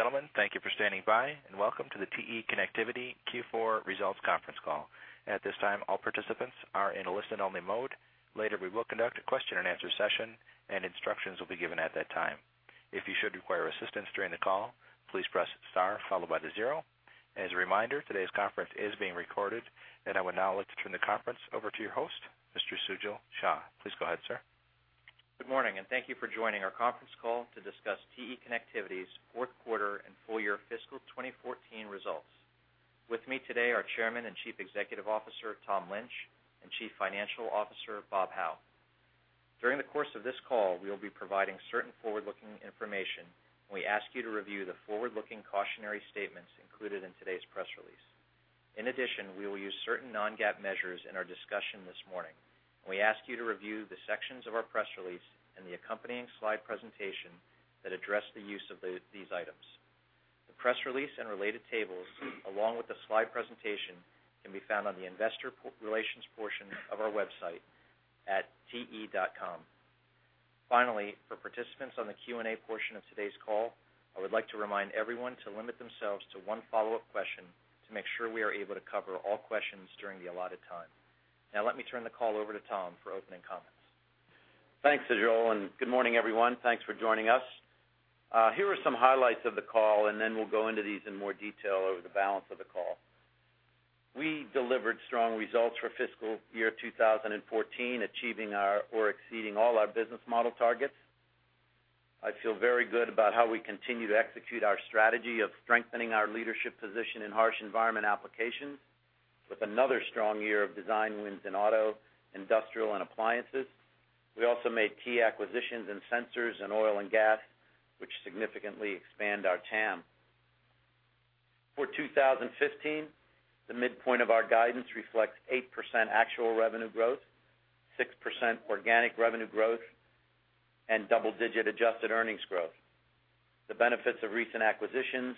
Ladies and gentlemen, thank you for standing by, and welcome to the TE Connectivity Q4 Results Conference Call. At this time, all participants are in a listen-only mode. Later, we will conduct a question-and-answer session, and instructions will be given at that time. If you should require assistance during the call, please press star followed by the zero. As a reminder, today's conference is being recorded, and I would now like to turn the conference over to your host, Mr. Sujal Shah. Please go ahead, sir. Good morning, and thank you for joining our conference call to discuss TE Connectivity's Fourth Quarter and Full Year Fiscal 2014 Results. With me today are Chairman and Chief Executive Officer Tom Lynch and Chief Financial Officer Bob Hau. During the course of this call, we will be providing certain forward-looking information, and we ask you to review the forward-looking cautionary statements included in today's press release. In addition, we will use certain non-GAAP measures in our discussion this morning, and we ask you to review the sections of our press release and the accompanying slide presentation that address the use of these items. The press release and related tables, along with the slide presentation, can be found on the investor relations portion of our website at te.com. Finally, for participants on the Q&A portion of today's call, I would like to remind everyone to limit themselves to one follow-up question to make sure we are able to cover all questions during the allotted time. Now, let me turn the call over to Tom for opening comments. Thanks, Sujal, and good morning, everyone. Thanks for joining us. Here are some highlights of the call, and then we'll go into these in more detail over the balance of the call. We delivered strong results for fiscal year 2014, achieving or exceeding all our business model targets. I feel very good about how we continue to execute our strategy of strengthening our leadership position in harsh environment applications with another strong year of design wins in Auto, Industrial, and Appliances. We also made key acquisitions in sensors and Oil & Gas, which significantly expand our TAM. For 2015, the midpoint of our guidance reflects 8% actual revenue growth, 6% organic revenue growth, and double-digit adjusted earnings growth. The benefits of recent acquisitions,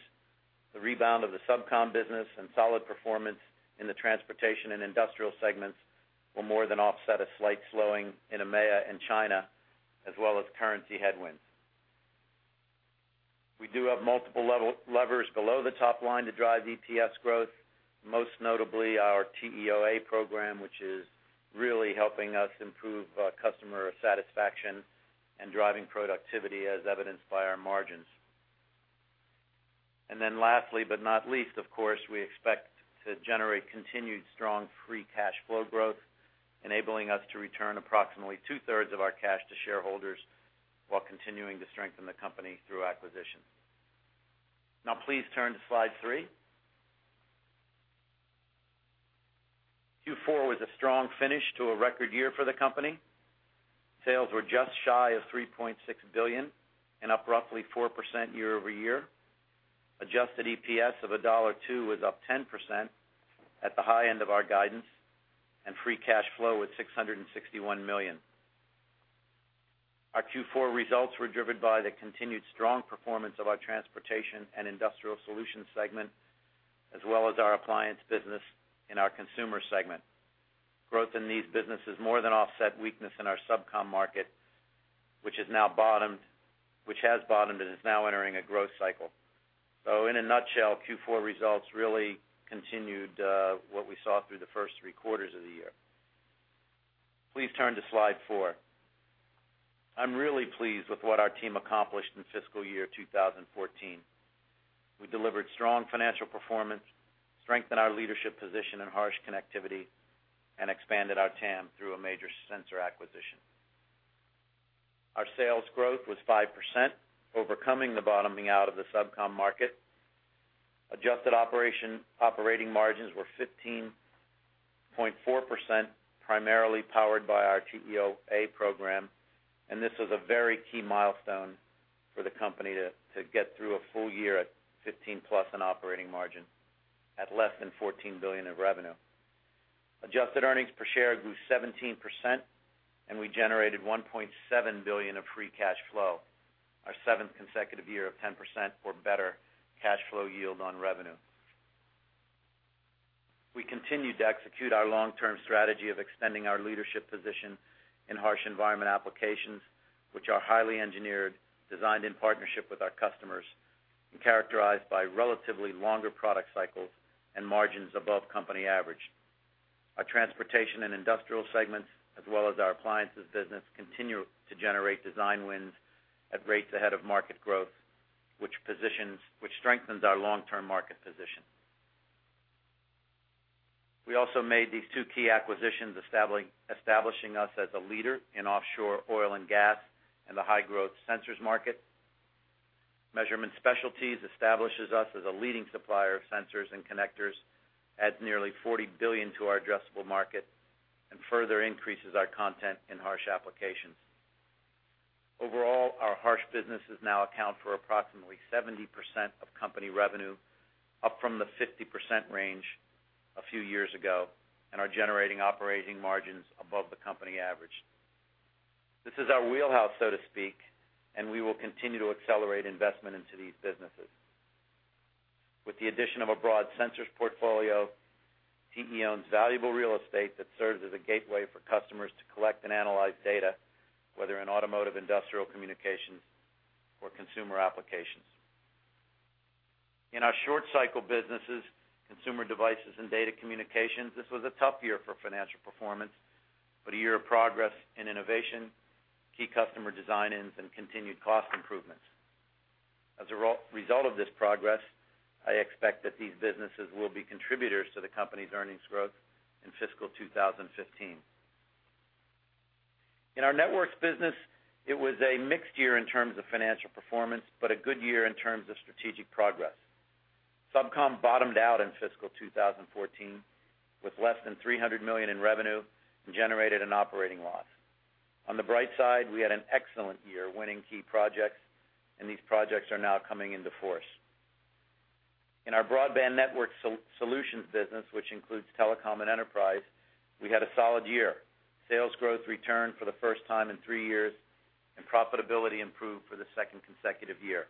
the rebound of the SubCom business, and solid performance in the Transportation and Industrial segments will more than offset a slight slowing in EMEA and China, as well as currency headwinds. We do have multiple levers below the top line to drive EPS growth, most notably our TEOA program, which is really helping us improve customer satisfaction and driving productivity, as evidenced by our margins. And then lastly, but not least, of course, we expect to generate continued strong free cash flow growth, enabling us to return approximately two-thirds of our cash to shareholders while continuing to strengthen the company through acquisitions. Now, please turn to slide three. Q4 was a strong finish to a record year for the company. Sales were just shy of $3.6 billion and up roughly 4% year-over-year. Adjusted EPS of $1.02 was up 10% at the high end of our guidance, and free cash flow was $661 million. Our Q4 results were driven by the continued strong performance of our Transportation and Industrial Solutions segment, as well as our appliance business in our consumer segment. Growth in these businesses more than offset weakness in our SubCom market, which has bottomed and is now entering a growth cycle. So, in a nutshell, Q4 results really continued what we saw through the first three quarters of the year. Please turn to slide four. I'm really pleased with what our team accomplished in fiscal year 2014. We delivered strong financial performance, strengthened our leadership position in harsh connectivity, and expanded our TAM through a major sensor acquisition. Our sales growth was 5%, overcoming the bottoming out of the SubCom market. Adjusted operating margins were 15.4%, primarily powered by our TEOA program, and this was a very key milestone for the company to get through a full year at 15+ in operating margin at less than $14 billion in revenue. Adjusted earnings per share grew 17%, and we generated $1.7 billion of free cash flow, our seventh consecutive year of 10% or better cash flow yield on revenue. We continued to execute our long-term strategy of extending our leadership position in harsh environment applications, which are highly engineered, designed in partnership with our customers, and characterized by relatively longer product cycles and margins above company average. Our Transportation and Industrial segments, as well as our appliances business, continue to generate design wins at rates ahead of market growth, which strengthens our long-term market position. We also made these two key acquisitions, establishing us as a leader in offshore Oil & Gas and the high-growth sensors market. Measurement Specialties establishes us as a leading supplier of sensors and connectors, adds nearly $40 billion to our addressable market, and further increases our content in harsh applications. Overall, our harsh businesses now account for approximately 70% of company revenue, up from the 50% range a few years ago, and are generating operating margins above the company average. This is our wheelhouse, so to speak, and we will continue to accelerate investment into these businesses. With the addition of a broad sensors portfolio, TE owns valuable real estate that serves as a gateway for customers to collect and analyze data, whether in Automotive, Industrial communications, or consumer applications. In our short-cycle businesses, Consumer Devices and Data Communications, this was a tough year for financial performance, but a year of progress in innovation, key customer design-ins, and continued cost improvements. As a result of this progress, I expect that these businesses will be contributors to the company's earnings growth in fiscal 2015. In our networks business, it was a mixed year in terms of financial performance, but a good year in terms of strategic progress. SubCom bottomed out in fiscal 2014 with less than $300 million in revenue and generated an operating loss. On the bright side, we had an excellent year winning key projects, and these projects are now coming into force. In our Broadband Network Solutions business, which includes Telecom and Enterprise, we had a solid year. Sales growth returned for the first time in three years, and profitability improved for the second consecutive year.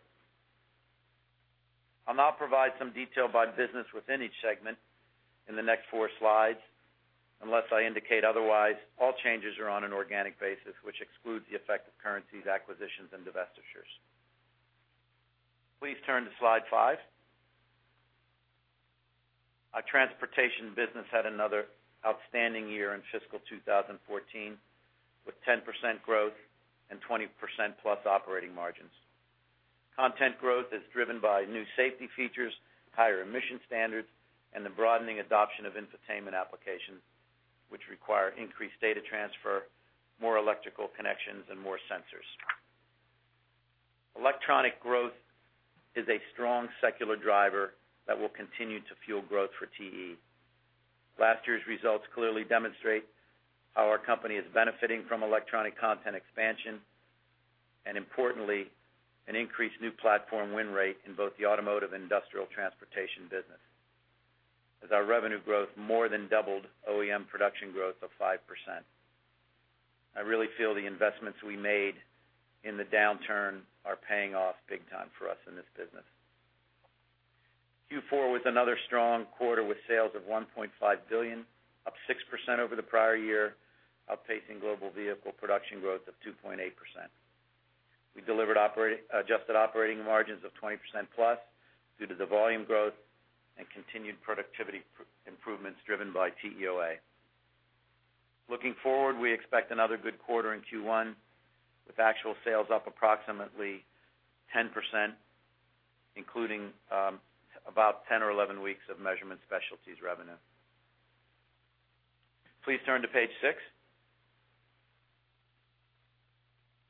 I'll now provide some detail by business within each segment in the next four slides, unless I indicate otherwise. All changes are on an organic basis, which excludes the effect of currencies, acquisitions, and divestitures. Please turn to slide five. Our Transportation business had another outstanding year in fiscal 2014 with 10% growth and 20%+ operating margins. Content growth is driven by new safety features, higher emission standards, and the broadening adoption of infotainment applications, which require increased data transfer, more electrical connections, and more sensors. Electronic growth is a strong secular driver that will continue to fuel growth for TE. Last year's results clearly demonstrate how our company is benefiting from electronic content expansion and, importantly, an increased new platform win rate in both the Automotive and Industrial Transportation business, as our revenue growth more than doubled OEM production growth of 5%. I really feel the investments we made in the downturn are paying off big time for us in this business. Q4 was another strong quarter with sales of $1.5 billion, up 6% over the prior year, outpacing global vehicle production growth of 2.8%. We delivered adjusted operating margins of 20%+ due to the volume growth and continued productivity improvements driven by TEOA. Looking forward, we expect another good quarter in Q1 with actual sales up approximately 10%, including about 10 or 11 weeks of Measurement Specialties revenue. Please turn to page six.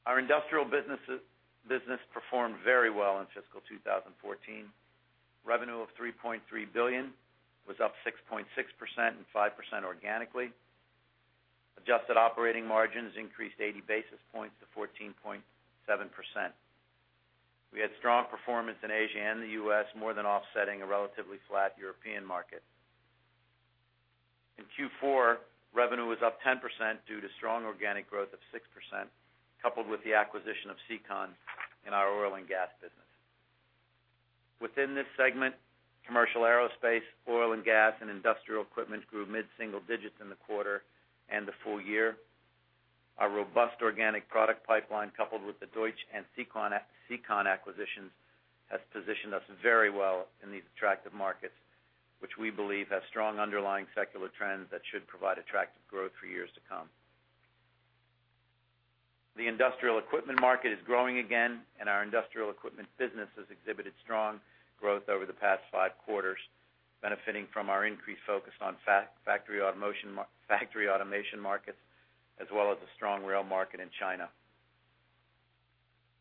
Our industrial business performed very well in fiscal 2014. Revenue of $3.3 billion was up 6.6% and 5% organically. Adjusted operating margins increased 80 basis points to 14.7%. We had strong performance in Asia and the U.S., more than offsetting a relatively flat European market. In Q4, revenue was up 10% due to strong organic growth of 6%, coupled with the acquisition of SEACON in our Oil & Gas business. Within this segment, commercial Aerospace, Oil & Gas, and Industrial Equipment grew mid-single digits in the quarter and the full year. Our robust organic product pipeline, coupled with the Deutsch and SEACON acquisitions, has positioned us very well in these attractive markets, which we believe have strong underlying secular trends that should provide attractive growth for years to come. The Industrial Equipment market is growing again, and our Industrial Equipment business has exhibited strong growth over the past 5 quarters, benefiting from our increased focus on factory automation markets, as well as a strong rail market in China.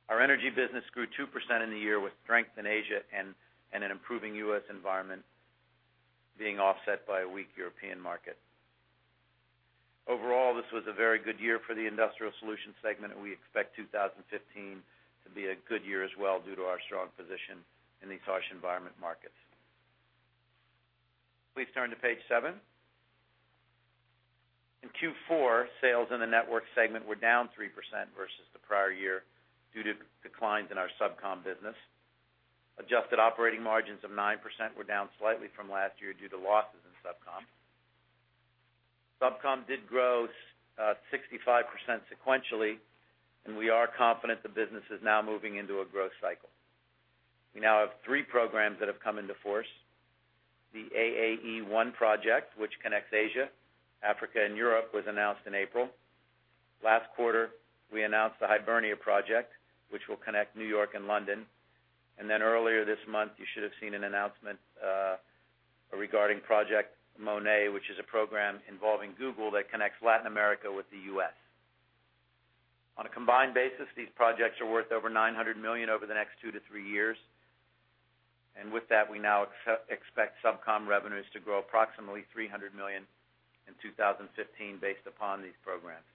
Our Energy business grew 2% in the year with strength in Asia and an improving U.S. environment, being offset by a weak European market. Overall, this was a very good year for the Industrial Solutions segment, and we expect 2015 to be a good year as well due to our strong position in these harsh environment markets. Please turn to page seven. In Q4, sales in the networks segment were down 3% versus the prior year due to declines in our SubCom business. Adjusted operating margins of 9% were down slightly from last year due to losses in SubCom. SubCom did grow 65% sequentially, and we are confident the business is now moving into a growth cycle. We now have three programs that have come into force. The AAE-1 project, which connects Asia, Africa, and Europe, was announced in April. Last quarter, we announced the Hibernia project, which will connect New York and London. And then earlier this month, you should have seen an announcement regarding Project Monet, which is a program involving Google that connects Latin America with the U.S. On a combined basis, these projects are worth over $900 million over the next 2 to 3 years. And with that, we now expect SubCom revenues to grow approximately $300 million in 2015 based upon these programs.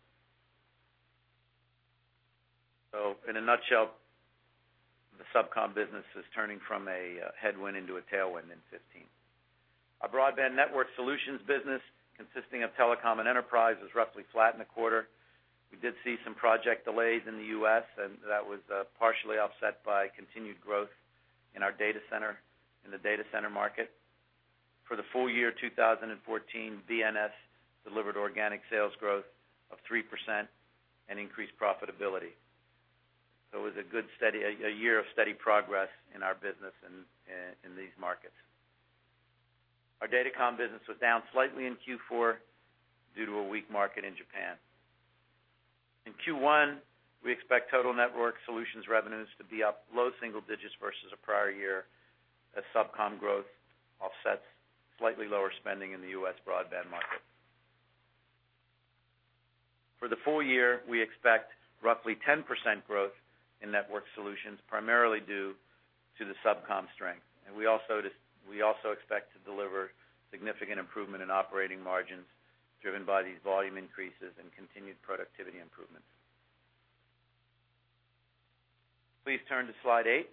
So, in a nutshell, the SubCom business is turning from a headwind into a tailwind in 2015. Our Broadband Network Solutions business, consisting of Telecom and Enterprise, was roughly flat in the quarter. We did see some project delays in the U.S., and that was partially offset by continued growth in our data center and the data center market. For the full year 2014, BNS delivered organic sales growth of 3% and increased profitability. So it was a good, steady year of steady progress in our business in these markets. Our Data Comm business was down slightly in Q4 due to a weak market in Japan. In Q1, we expect total Network Solutions revenues to be up low single digits versus a prior year, as SubCom growth offsets slightly lower spending in the U.S. broadband market. For the full year, we expect roughly 10% growth in Network Solutions, primarily due to the SubCom strength. And we also expect to deliver significant improvement in operating margins driven by these volume increases and continued productivity improvements. Please turn to slide eight.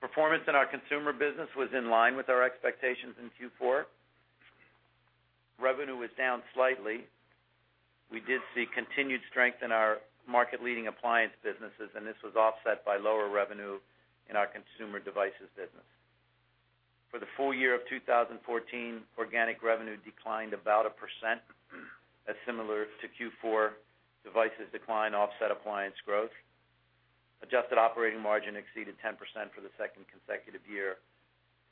Performance in our Consumer business was in line with our expectations in Q4. Revenue was down slightly. We did see continued strength in our market-leading appliance businesses, and this was offset by lower revenue in our Consumer Devices business. For the full year of 2014, organic revenue declined about 1%, as similar to Q4 devices decline offset appliance growth. Adjusted operating margin exceeded 10% for the second consecutive year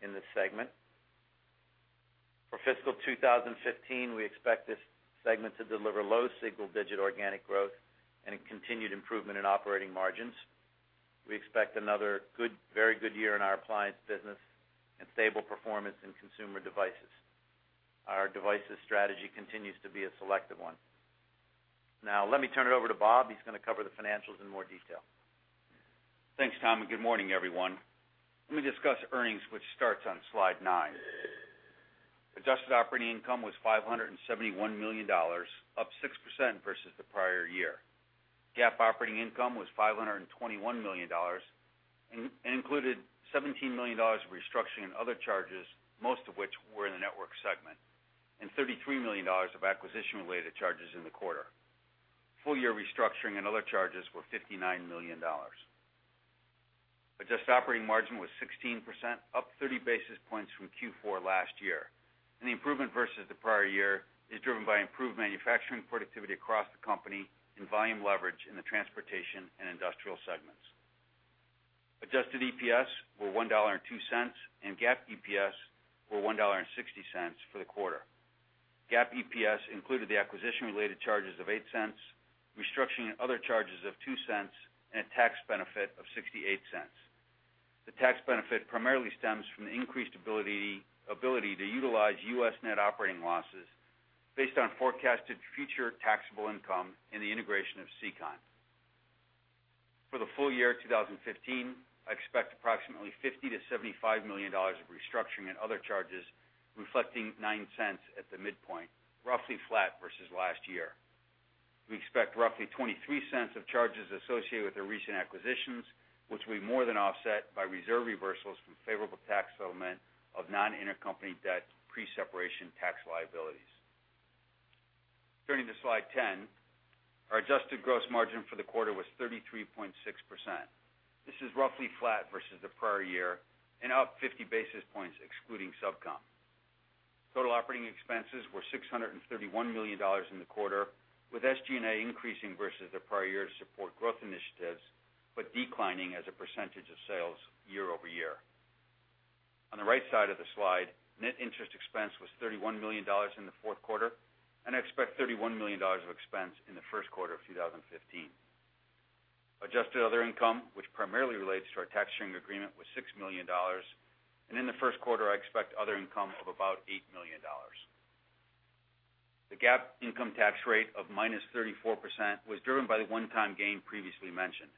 in this segment. For fiscal 2015, we expect this segment to deliver low single-digit organic growth and continued improvement in operating margins. We expect another very good year in our appliance business and stable performance in Consumer Devices. Our devices strategy continues to be a selective one. Now, let me turn it over to Bob. He's going to cover the financials in more detail. Thanks, Tom, and good morning, everyone. Let me discuss earnings, which starts on slide nine. Adjusted operating income was $571 million, up 6% versus the prior year. GAAP operating income was $521 million and included $17 million of restructuring and other charges, most of which were in the network segment, and $33 million of acquisition-related charges in the quarter. Full-year restructuring and other charges were $59 million. Adjusted operating margin was 16%, up 30 basis points from Q4 last year. The improvement versus the prior year is driven by improved manufacturing productivity across the company and volume leverage in the Transportation and Industrial segments. Adjusted EPS were $1.02, and GAAP EPS were $1.60 for the quarter. GAAP EPS included the acquisition-related charges of $0.08, restructuring and other charges of $0.02, and a tax benefit of $0.68. The tax benefit primarily stems from the increased ability to utilize U.S. net operating losses based on forecasted future taxable income and the integration of SEACON. For the full year 2015, I expect approximately $50 million-$75 million of restructuring and other charges, reflecting $0.09 at the midpoint, roughly flat versus last year. We expect roughly $0.23 of charges associated with the recent acquisitions, which we more than offset by reserve reversals from favorable tax settlement of non-intercompany debt pre-separation tax liabilities. Turning to slide 10, our adjusted gross margin for the quarter was 33.6%. This is roughly flat versus the prior year and up 50 basis points excluding SubCom. Total operating expenses were $631 million in the quarter, with SG&A increasing versus the prior year to support growth initiatives, but declining as a percentage of sales year over year. On the right side of the slide, net interest expense was $31 million in the fourth quarter, and I expect $31 million of expense in the first quarter of 2015. Adjusted other income, which primarily relates to our tax sharing agreement, was $6 million. In the first quarter, I expect other income of about $8 million. The GAAP income tax rate of minus 34% was driven by the one-time gain previously mentioned.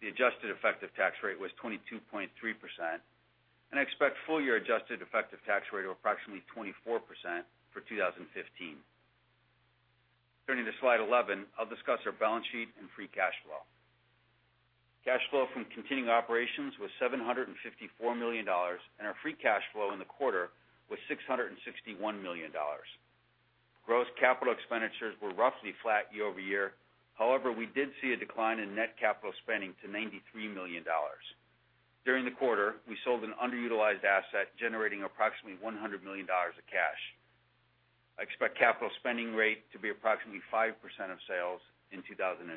The adjusted effective tax rate was 22.3%, and I expect full-year adjusted effective tax rate of approximately 24% for 2015. Turning to slide 11, I'll discuss our balance sheet and free cash flow. Cash flow from continuing operations was $754 million, and our free cash flow in the quarter was $661 million. Gross capital expenditures were roughly flat year-over-year. However, we did see a decline in net capital spending to $93 million. During the quarter, we sold an underutilized asset generating approximately $100 million of cash. I expect capital spending rate to be approximately 5% of sales in 2015.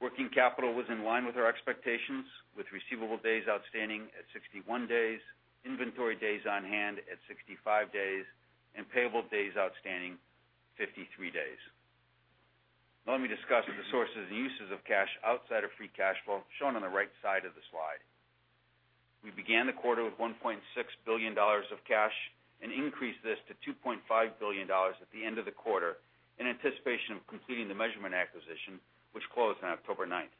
Working capital was in line with our expectations, with receivable days outstanding at 61 days, inventory days on hand at 65 days, and payable days outstanding 53 days. Now, let me discuss the sources and uses of cash outside of Free Cash Flow shown on the right side of the slide. We began the quarter with $1.6 billion of cash and increased this to $2.5 billion at the end of the quarter in anticipation of completing the Measurement acquisition, which closed on October 9th.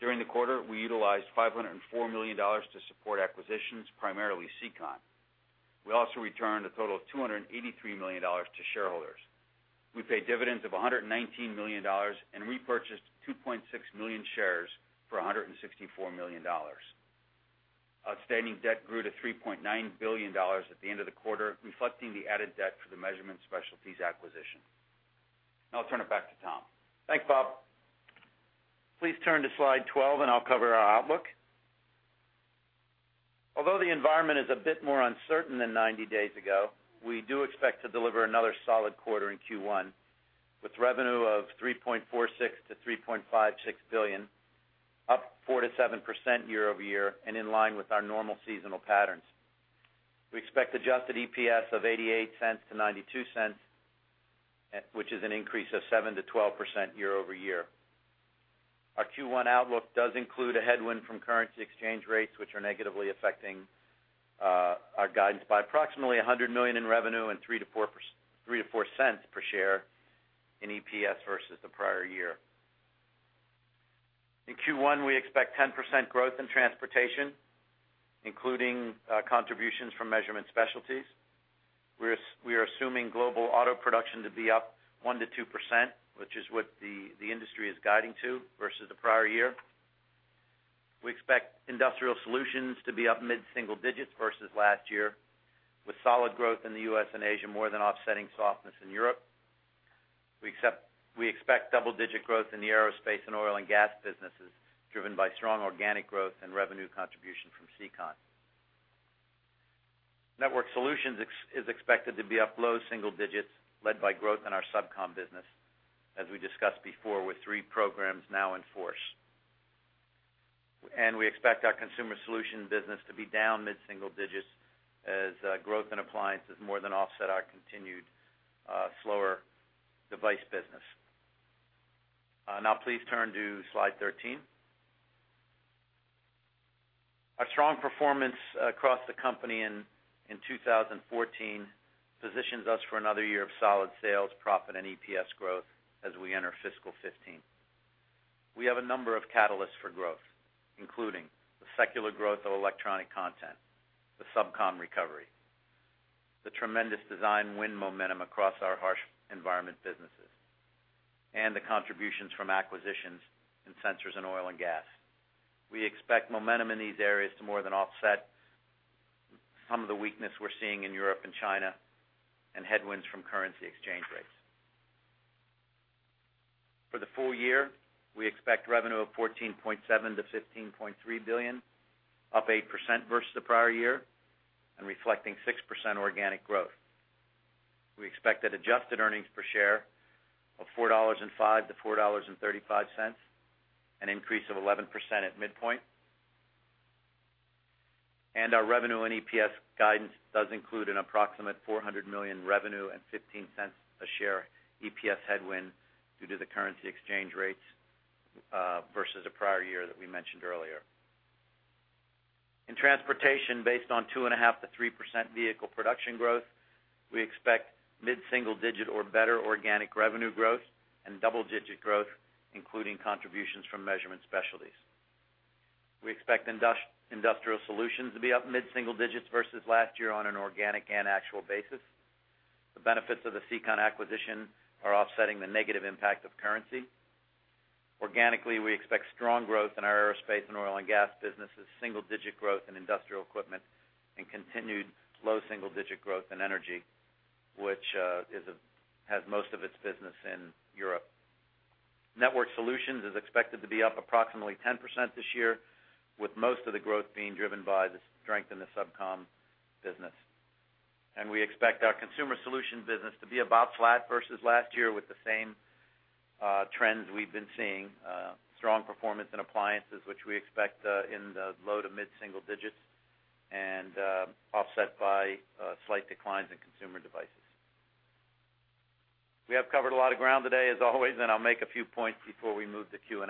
During the quarter, we utilized $504 million to support acquisitions, primarily SEACON. We also returned a total of $283 million to shareholders. We paid dividends of $119 million and repurchased 2.6 million shares for $164 million. Outstanding debt grew to $3.9 billion at the end of the quarter, reflecting the added debt for the Measurement Specialties acquisition. Now, I'll turn it back to Tom. Thanks, Bob. Please turn to slide 12, and I'll cover our outlook. Although the environment is a bit more uncertain than 90 days ago, we do expect to deliver another solid quarter in Q1 with revenue of $3.46 billion-$3.56 billion, up 4%-7% year-over-year and in line with our normal seasonal patterns. We expect adjusted EPS of $0.88-$0.92, which is an increase of 7%-12% year-over-year. Our Q1 outlook does include a headwind from currency exchange rates, which are negatively affecting our guidance by approximately $100 million in revenue and $0.03-$0.04 per share in EPS versus the prior year. In Q1, we expect 10% growth in Transportation, including contributions from Measurement Specialties. We are assuming global auto production to be up 1%-2%, which is what the industry is guiding to versus the prior year. We expect Industrial Solutions to be up mid-single digits versus last year, with solid growth in the U.S. and Asia more than offsetting softness in Europe. We expect double-digit growth in the Aerospace and Oil & Gas businesses driven by strong organic growth and revenue contribution from SEACON. Network Solutions is expected to be up low single digits, led by growth in our SubCom business, as we discussed before, with three programs now in force. We expect our Consumer Solutions business to be down mid-single digits as growth in Appliances more than offset our continued slower device business. Now, please turn to slide 13. Our strong performance across the company in 2014 positions us for another year of solid sales, profit, and EPS growth as we enter fiscal 2015. We have a number of catalysts for growth, including the secular growth of electronic content, the SubCom recovery, the tremendous design win momentum across our harsh environment businesses, and the contributions from acquisitions in sensors and Oil & Gas. We expect momentum in these areas to more than offset some of the weakness we're seeing in Europe and China and headwinds from currency exchange rates. For the full year, we expect revenue of $14.7 billion-$15.3 billion, up 8% versus the prior year and reflecting 6% organic growth. We expect an adjusted earnings per share of $4.05-$4.35 and an increase of 11% at midpoint. Our revenue and EPS guidance does include an approximate $400 million revenue and $0.15 a share EPS headwind due to the currency exchange rates versus a prior year that we mentioned earlier. In Transportation, based on 2.5%-3% vehicle production growth, we expect mid-single digit or better organic revenue growth and double-digit growth, including contributions from Measurement Specialties. We expect Industrial Solutions to be up mid-single digits versus last year on an organic and actual basis. The benefits of the SEACON acquisition are offsetting the negative impact of currency. Organically, we expect strong growth in our Aerospace and Oil & Gas businesses, single-digit growth in Industrial Equipment, and continued low single-digit growth in Energy, which has most of its business in Europe. Network Solutions is expected to be up approximately 10% this year, with most of the growth being driven by the strength in the SubCom business. We expect our Consumer Solutions business to be about flat versus last year with the same trends we've been seeing: strong performance in Appliances, which we expect in the low to mid-single digits, and offset by slight declines in Consumer Devices. We have covered a lot of ground today, as always, and I'll make a few points before we move to Q&A.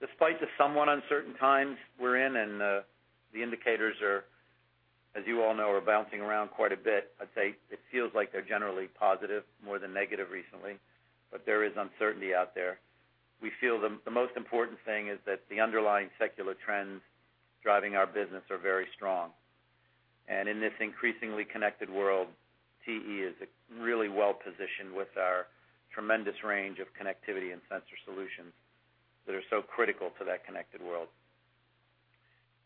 Despite the somewhat uncertain times we're in and the indicators are, as you all know, are bouncing around quite a bit, I'd say it feels like they're generally positive more than negative recently, but there is uncertainty out there. We feel the most important thing is that the underlying secular trends driving our business are very strong. In this increasingly connected world, TE is really well positioned with our tremendous range of connectivity and sensor solutions that are so critical to that connected world.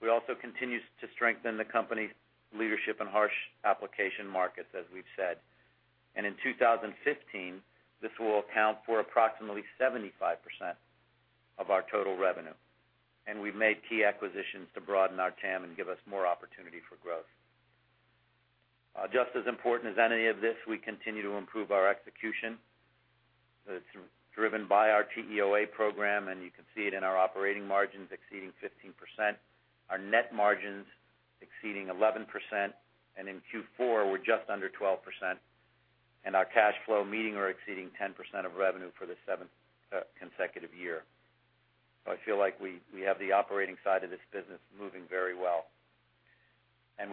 We also continue to strengthen the company's leadership in harsh application markets, as we've said. In 2015, this will account for approximately 75% of our total revenue. We've made key acquisitions to broaden our TAM and give us more opportunity for growth. Just as important as any of this, we continue to improve our execution. It's driven by our TEOA program, and you can see it in our operating margins exceeding 15%, our net margins exceeding 11%, and in Q4, we're just under 12%. Our cash flow meeting or exceeding 10% of revenue for the seventh consecutive year. So I feel like we have the operating side of this business moving very well.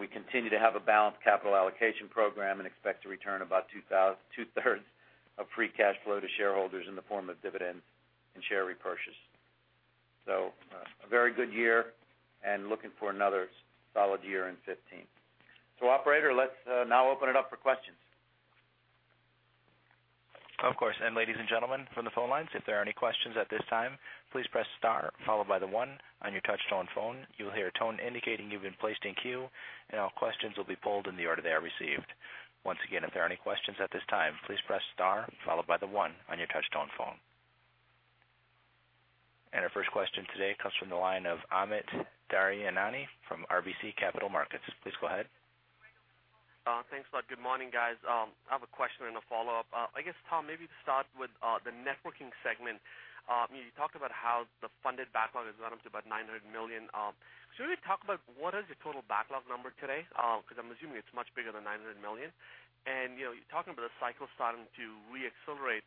We continue to have a balanced capital allocation program and expect to return about two-thirds of free cash flow to shareholders in the form of dividends and share repurchase. So a very good year and looking for another solid year in 2015. So, Operator, let's now open it up for questions. Of course. And ladies and gentlemen from the phone lines, if there are any questions at this time, please press star followed by the one on your touch-tone phone. You'll hear a tone indicating you've been placed in queue, and all questions will be polled in the order they are received. Once again, if there are any questions at this time, please press star followed by the one on your touch-tone phone. And our first question today comes from the line of Amit Daryanani from RBC Capital Markets. Please go ahead. Thanks, Bob. Good morning, guys. I have a question and a follow-up. I guess, Tom, maybe to start with the networking segment, you talked about how the funded backlog has gotten up to about $900 million. Could you talk about what is your total backlog number today? Because I'm assuming it's much bigger than $900 million. And you're talking about a cycle starting to re-accelerate.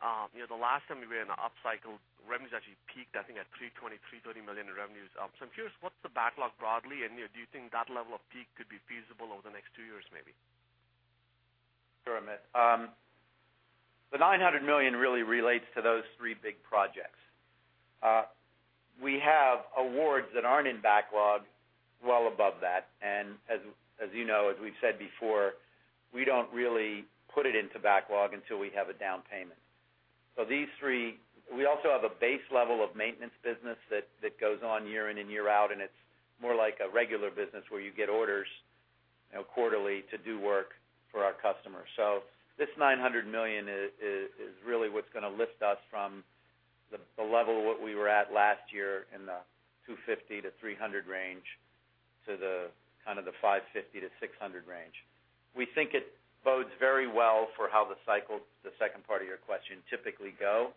The last time we were in an upcycle, revenues actually peaked, I think, at $320 million-$330 million in revenues. So I'm curious, what's the backlog broadly, and do you think that level of peak could be feasible over the next two years, maybe? Sure, Amit. The $900 million really relates to those three big projects. We have awards that aren't in backlog well above that. And as you know, as we've said before, we don't really put it into backlog until we have a down payment. So these three, we also have a base level of maintenance business that goes on year in and year out, and it's more like a regular business where you get orders quarterly to do work for our customers. So this $900 million is really what's going to lift us from the level of what we were at last year in the $250 million-$300 million range to the kind of the $550 million-$600 million range. We think it bodes very well for how the cycle, the second part of your question, typically go.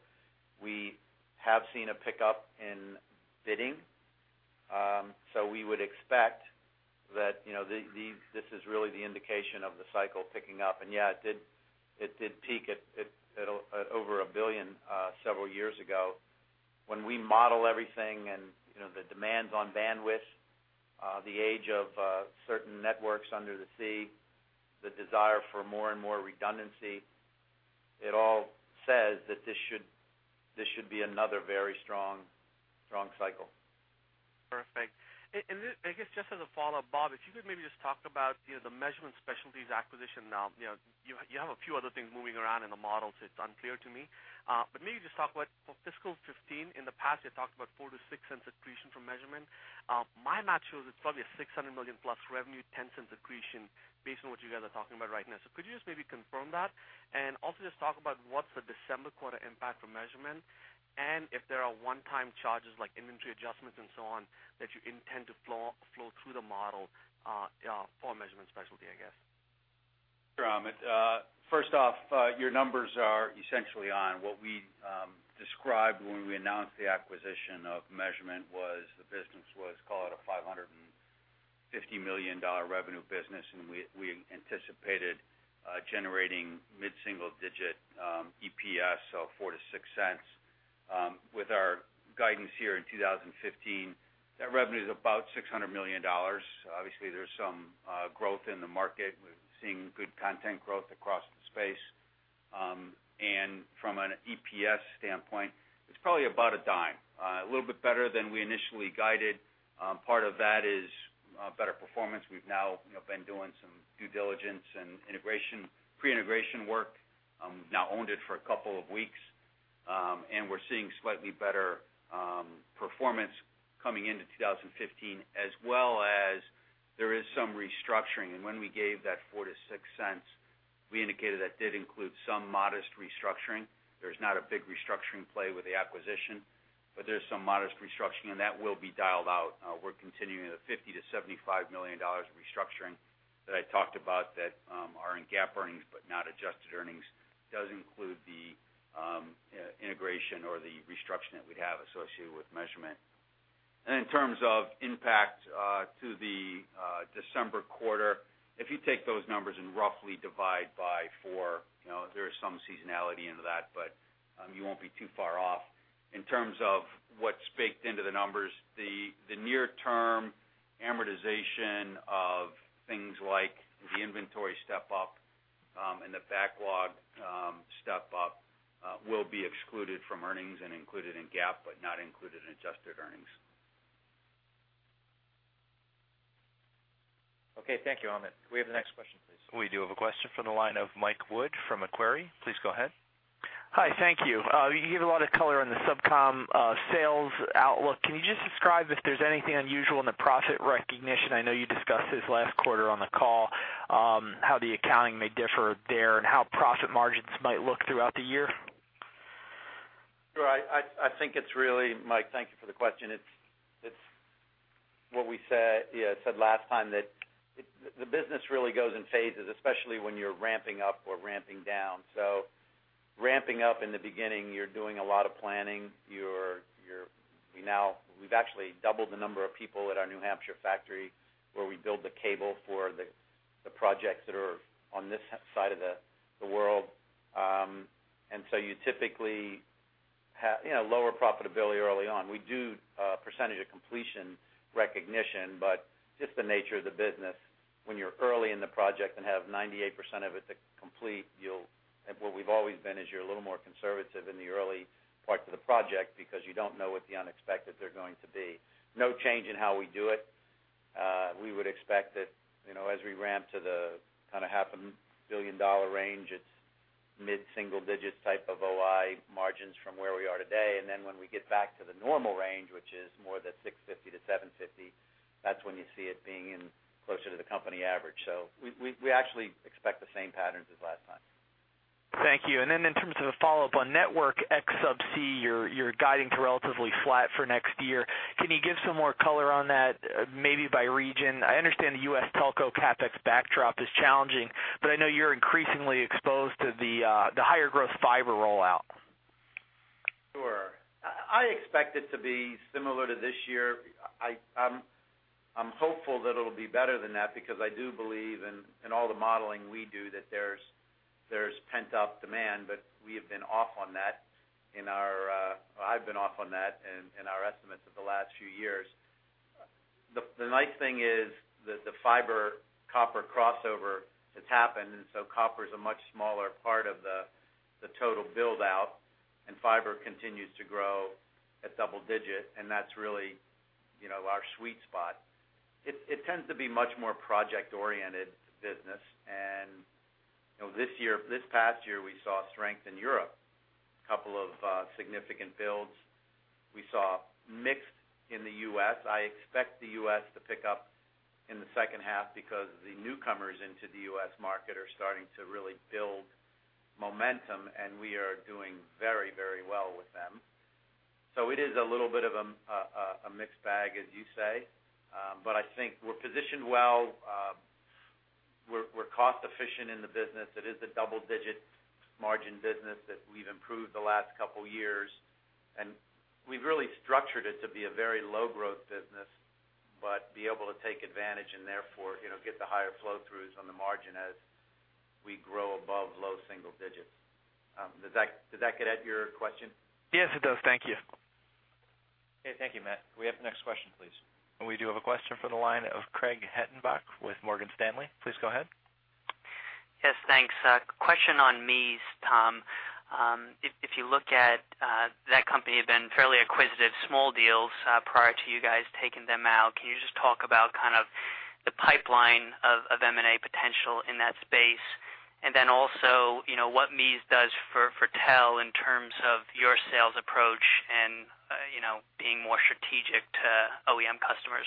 We have seen a pickup in bidding, so we would expect that this is really the indication of the cycle picking up. And yeah, it did peak at over $1 billion several years ago. When we model everything and the demands on bandwidth, the age of certain networks under the sea, the desire for more and more redundancy, it all says that this should be another very strong cycle. Perfect. And I guess just as a follow-up, Bob, if you could maybe just talk about the Measurement Specialties acquisition now. You have a few other things moving around in the model, so it's unclear to me. But maybe just talk about fiscal 2015. In the past, you talked about $0.04-$0.06 accretion from Measurement. My math shows it's probably a $600 million+ revenue, $0.10 accretion based on what you guys are talking about right now. So could you just maybe confirm that? And also just talk about what's the December quarter impact for Measurement and if there are one-time charges like inventory adjustments and so on that you intend to flow through the model for Measurement Specialties, I guess. Sure, Amit. First off, your numbers are essentially on. What we described when we announced the acquisition of Measurement was the business was, call it a $550 million revenue business, and we anticipated generating mid-single digit EPS, so $0.04-$0.06. With our guidance here in 2015, that revenue is about $600 million. Obviously, there's some growth in the market. We're seeing good content growth across the space. And from an EPS standpoint, it's probably about $0.10, a little bit better than we initially guided. Part of that is better performance. We've now been doing some due diligence and pre-integration work. We've now owned it for a couple of weeks, and we're seeing slightly better performance coming into 2015, as well as there is some restructuring. When we gave that $0.04-$0.06, we indicated that did include some modest restructuring. There's not a big restructuring play with the acquisition, but there's some modest restructuring, and that will be dialed out. We're continuing the $50-$75 million restructuring that I talked about that are in GAAP earnings but not adjusted earnings. It does include the integration or the restructuring that we'd have associated with Measurement. In terms of impact to the December quarter, if you take those numbers and roughly divide by four, there is some seasonality into that, but you won't be too far off. In terms of what's baked into the numbers, the near-term amortization of things like the inventory step-up and the backlog step-up will be excluded from earnings and included in GAAP but not included in adjusted earnings. Okay. Thank you, Amit. Can we have the next question, please? We do have a question from the line of Mike Wood from Macquarie. Please go ahead. Hi. Thank you. You gave a lot of color on the SubCom sales outlook. Can you just describe if there's anything unusual in the profit recognition? I know you discussed this last quarter on the call, how the accounting may differ there and how profit margins might look throughout the year. Sure. I think it's really, Mike, thank you for the question. It's what we said last time that the business really goes in phases, especially when you're ramping up or ramping down. So ramping up in the beginning, you're doing a lot of planning. We've actually doubled the number of people at our New Hampshire factory where we build the cable for the projects that are on this side of the world. And so you typically have lower profitability early on. We do a percentage of completion recognition, but just the nature of the business, when you're early in the project and have 98% of it to complete, where we've always been is you're a little more conservative in the early parts of the project because you don't know what the unexpected they're going to be. No change in how we do it. We would expect that as we ramp to the kind of $500 million range, it's mid-single digit type of OI margins from where we are today. And then when we get back to the normal range, which is more than 650-750, that's when you see it being closer to the company average. So we actually expect the same patterns as last time. Thank you. And then in terms of a follow-up on Network Solutions SubCom, you're guiding to relatively flat for next year. Can you give some more color on that, maybe by region? I understand the U.S. telco CapEx backdrop is challenging, but I know you're increasingly exposed to the higher growth fiber rollout. Sure. I expect it to be similar to this year. I'm hopeful that it'll be better than that because I do believe in all the modeling we do that there's pent-up demand, but we have been off on that in our, I've been off on that in our estimates of the last few years. The nice thing is that the fiber-copper crossover has happened, and so copper is a much smaller part of the total build-out, and fiber continues to grow at double-digit, and that's really our sweet spot. It tends to be much more project-oriented business. This past year, we saw strength in Europe, a couple of significant builds. We saw mixed in the U.S. I expect the U.S. to pick up in the second half because the newcomers into the U.S. market are starting to really build momentum, and we are doing very, very well with them. It is a little bit of a mixed bag, as you say, but I think we're positioned well. We're cost-efficient in the business. It is a double-digit margin business that we've improved the last couple of years. And we've really structured it to be a very low-growth business but be able to take advantage and therefore get the higher flow-throughs on the margin as we grow above low single digits. Does that get at your question? Yes, it does. Thank you. Okay. Thank you, Matt. We have the next question, please. We do have a question from the line of Craig Hettenbach with Morgan Stanley. Please go ahead. Yes. Thanks. Question on MEAS, Tom. If you look at that company had been fairly acquisitive small deals prior to you guys taking them out, can you just talk about kind of the pipeline of M&A potential in that space? And then also what MEAS does for TE in terms of your sales approach and being more strategic to OEM customers?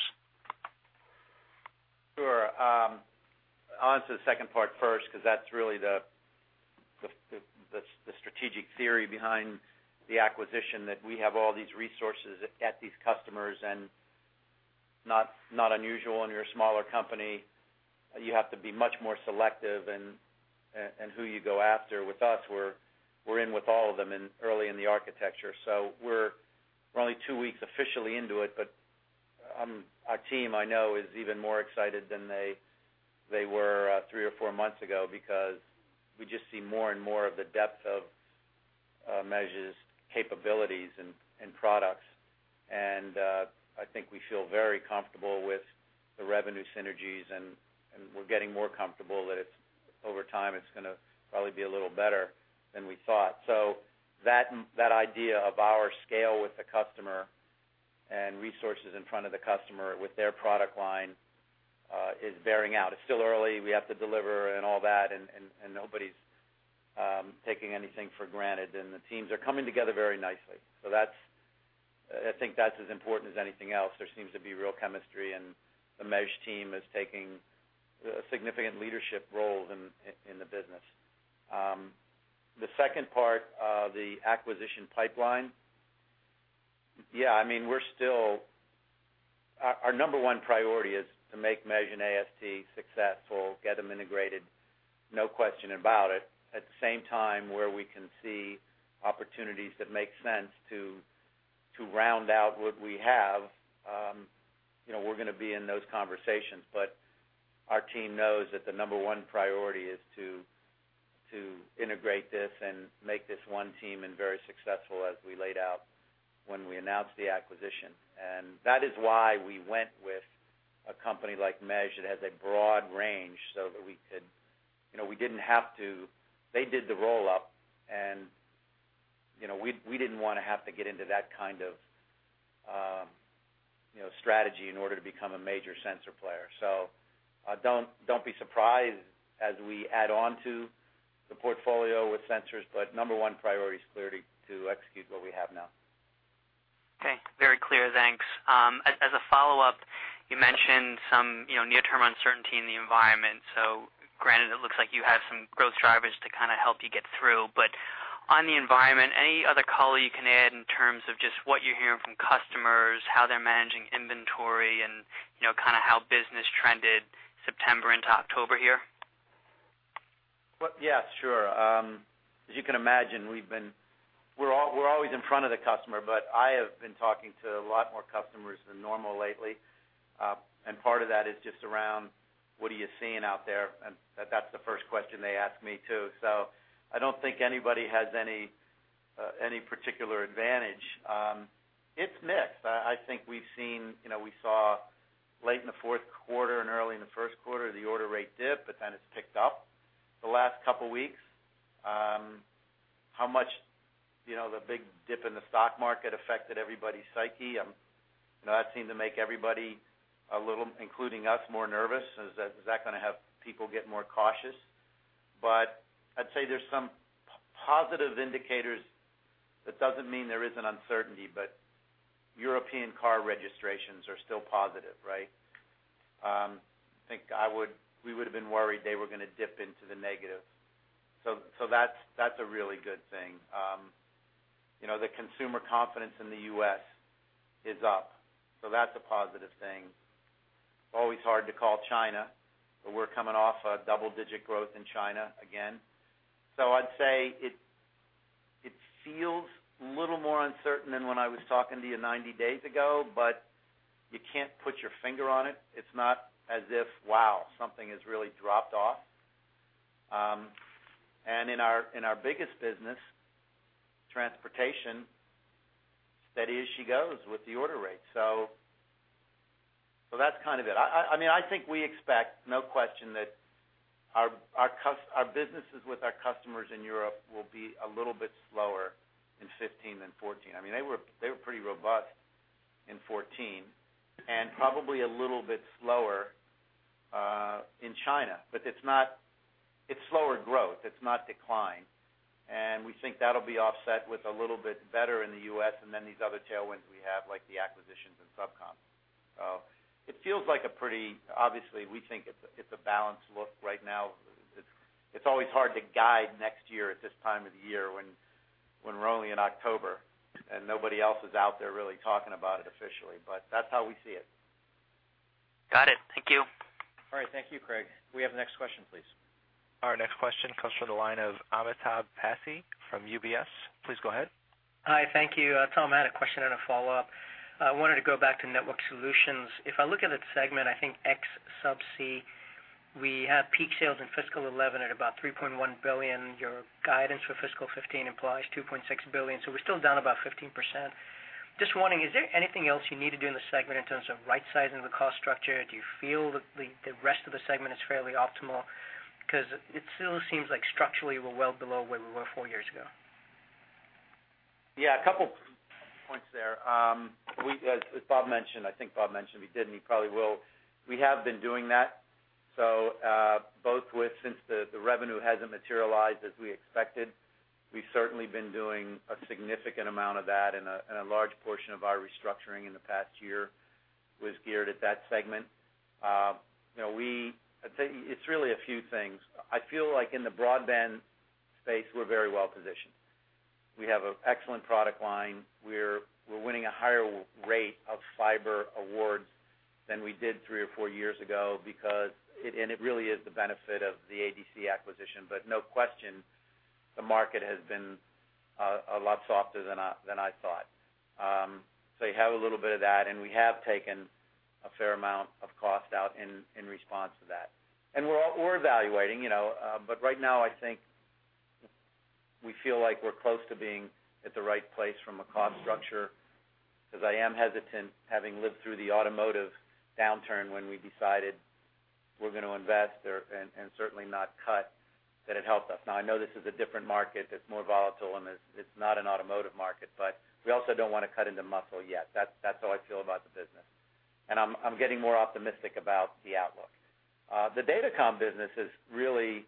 Sure. I'll answer the second part first because that's really the strategic theory behind the acquisition that we have all these resources at these customers. And not unusual in your smaller company, you have to be much more selective in who you go after. With us, we're in with all of them early in the architecture. So we're only two weeks officially into it, but our team, I know, is even more excited than they were three or four months ago because we just see more and more of the depth of MEAS' capabilities and products. And I think we feel very comfortable with the revenue synergies, and we're getting more comfortable that over time it's going to probably be a little better than we thought. So that idea of our scale with the customer and resources in front of the customer with their product line is bearing out. It's still early. We have to deliver and all that, and nobody's taking anything for granted. The teams are coming together very nicely. I think that's as important as anything else. There seems to be real chemistry, and the MEAS team is taking significant leadership roles in the business. The second part of the acquisition pipeline, yeah, I mean, we're still, our number one priority is to make MEAS and AST successful, get them integrated, no question about it. At the same time, where we can see opportunities that make sense to round out what we have, we're going to be in those conversations. But our team knows that the number one priority is to integrate this and make this one team and very successful as we laid out when we announced the acquisition. And that is why we went with a company like MEAS that has a broad range so that we could. We didn't have to. They did the roll-up, and we didn't want to have to get into that kind of strategy in order to become a major sensor player. So don't be surprised as we add on to the portfolio with sensors, but number one priority is clearly to execute what we have now. Okay. Very clear. Thanks. As a follow-up, you mentioned some near-term uncertainty in the environment. So granted, it looks like you have some growth drivers to kind of help you get through. But on the environment, any other color you can add in terms of just what you're hearing from customers, how they're managing inventory, and kind of how business trended September into October here? Well, yeah, sure. As you can imagine, we're always in front of the customer, but I have been talking to a lot more customers than normal lately. And part of that is just around, "What are you seeing out there?" And that's the first question they ask me too. So I don't think anybody has any particular advantage. It's mixed. I think we've seen, we saw late in the fourth quarter and early in the first quarter, the order rate dip, but then it's picked up the last couple of weeks. How much the big dip in the stock market affected everybody's psyche? That seemed to make everybody, including us, more nervous. Is that going to have people get more cautious? But I'd say there's some positive indicators. That doesn't mean there isn't uncertainty, but European car registrations are still positive, right? I think we would have been worried they were going to dip into the negative. So that's a really good thing. The consumer confidence in the U.S. is up. So that's a positive thing. It's always hard to call China, but we're coming off a double-digit growth in China again. So I'd say it feels a little more uncertain than when I was talking to you 90 days ago, but you can't put your finger on it. It's not as if, "Wow, something has really dropped off." And in our biggest business, Transportation, steady as she goes with the order rate. So that's kind of it. I mean, I think we expect, no question, that our businesses with our customers in Europe will be a little bit slower in 2015 than 2014. I mean, they were pretty robust in 2014 and probably a little bit slower in China. But it's slower growth. It's not decline. And we think that'll be offset with a little bit better in the US and then these other tailwinds we have, like the acquisitions and SubCom. So it feels like a pretty, obviously, we think it's a balanced look right now. It's always hard to guide next year at this time of the year when we're only in October and nobody else is out there really talking about it officially. But that's how we see it. Got it. Thank you. All right. Thank you, Craig. We have the next question, please. Our next question comes from the line of Amitabh Passi from UBS. Please go ahead. Hi. Thank you. Tom, I had a question and a follow-up. I wanted to go back to Network Solutions. If I look at the segment, I think ex-SubCom, we have peak sales in fiscal 2011 at about $3.1 billion. Your guidance for fiscal 2015 implies $2.6 billion. So we're still down about 15%. Just wondering, is there anything else you need to do in the segment in terms of right-sizing the cost structure? Do you feel the rest of the segment is fairly optimal? Because it still seems like structurally we're well below where we were four years ago. Yeah. A couple of points there. As Bob mentioned, I think Bob mentioned we did and he probably will. We have been doing that. So both with since the revenue hasn't materialized as we expected, we've certainly been doing a significant amount of that, and a large portion of our restructuring in the past year was geared at that segment. It's really a few things. I feel like in the broadband space, we're very well positioned. We have an excellent product line. We're winning a higher rate of fiber awards than we did three or four years ago, and it really is the benefit of the ADC acquisition. But no question, the market has been a lot softer than I thought. So you have a little bit of that, and we have taken a fair amount of cost out in response to that. And we're evaluating. But right now, I think we feel like we're close to being at the right place from a cost structure because I am hesitant, having lived through the Automotive downturn when we decided we're going to invest and certainly not cut, that it helped us. Now, I know this is a different market. It's more volatile, and it's not an Automotive market, but we also don't want to cut into muscle yet. That's how I feel about the business. I'm getting more optimistic about the outlook. The Data Comm business is really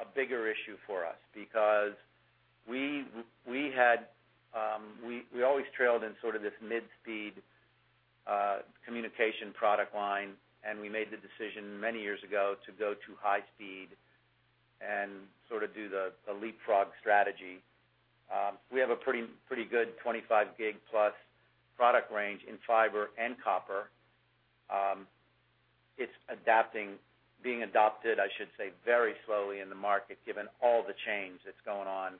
a bigger issue for us because we always trailed in sort of this mid-speed communication product line, and we made the decision many years ago to go to high-speed and sort of do the leapfrog strategy. We have a pretty good 25 gig plus product range in fiber and copper. It's adapting, being adopted, I should say, very slowly in the market given all the change that's going on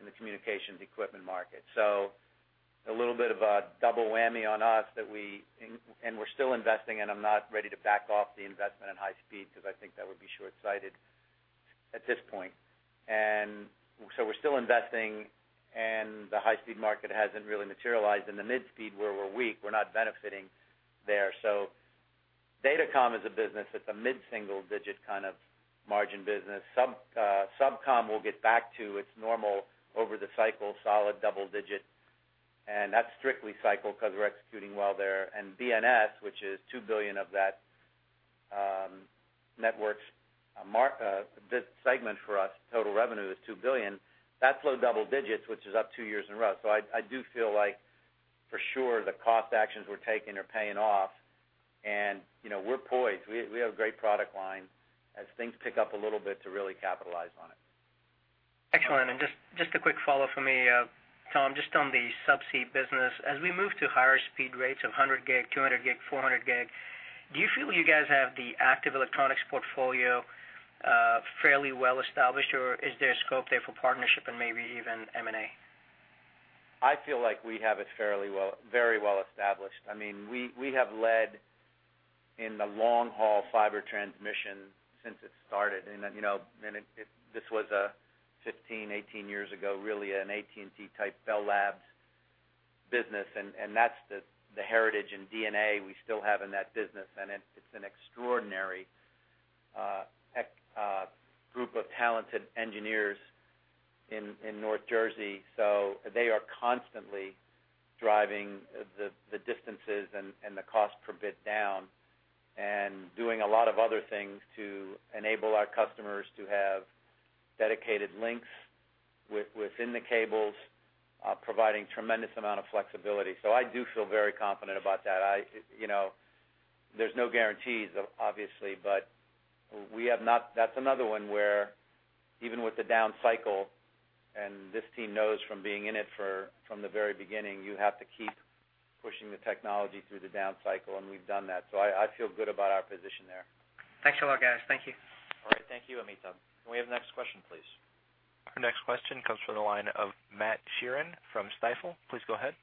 in the communications equipment market. So a little bit of a double whammy on us, and we're still investing, and I'm not ready to back off the investment in high-speed because I think that would be short-sighted at this point. So we're still investing, and the high-speed market hasn't really materialized. In the mid-speed where we're weak, we're not benefiting there. So Data Comm is a business that's a mid-single-digit kind of margin business. SubCom will get back to its normal over-the-cycle solid double-digit, and that's strictly cycle because we're executing well there. And BNS, which is $2 billion of that Network Solutions segment for us, total revenue is $2 billion. That's low double-digits, which is up two years in a row. So I do feel like for sure the cost actions we're taking are paying off, and we're poised. We have a great product line as things pick up a little bit to really capitalize on it. Excellent. And just a quick follow-up for me, Tom, just on the subsea business. As we move to higher speed rates of 100 gig, 200 gig, 400 gig, do you feel you guys have the active electronics portfolio fairly well established, or is there scope there for partnership and maybe even M&A? I feel like we have it very well established. I mean, we have led in the long-haul fiber transmission since it started. This was 15, 18 years ago, really an AT&T-type Bell Labs business. That's the heritage and DNA we still have in that business. It's an extraordinary group of talented engineers in North Jersey. So they are constantly driving the distances and the cost per bit down and doing a lot of other things to enable our customers to have dedicated links within the cables, providing a tremendous amount of flexibility. So I do feel very confident about that. There's no guarantees, obviously, but that's another one where even with the down cycle, and this team knows from being in it from the very beginning, you have to keep pushing the technology through the down cycle, and we've done that. So I feel good about our position there. Thanks a lot, guys. Thank you. All right. Thank you, Amitabh. Can we have the next question, please? Our next question comes from the line of Matt Sheerin from Stifel. Please go ahead.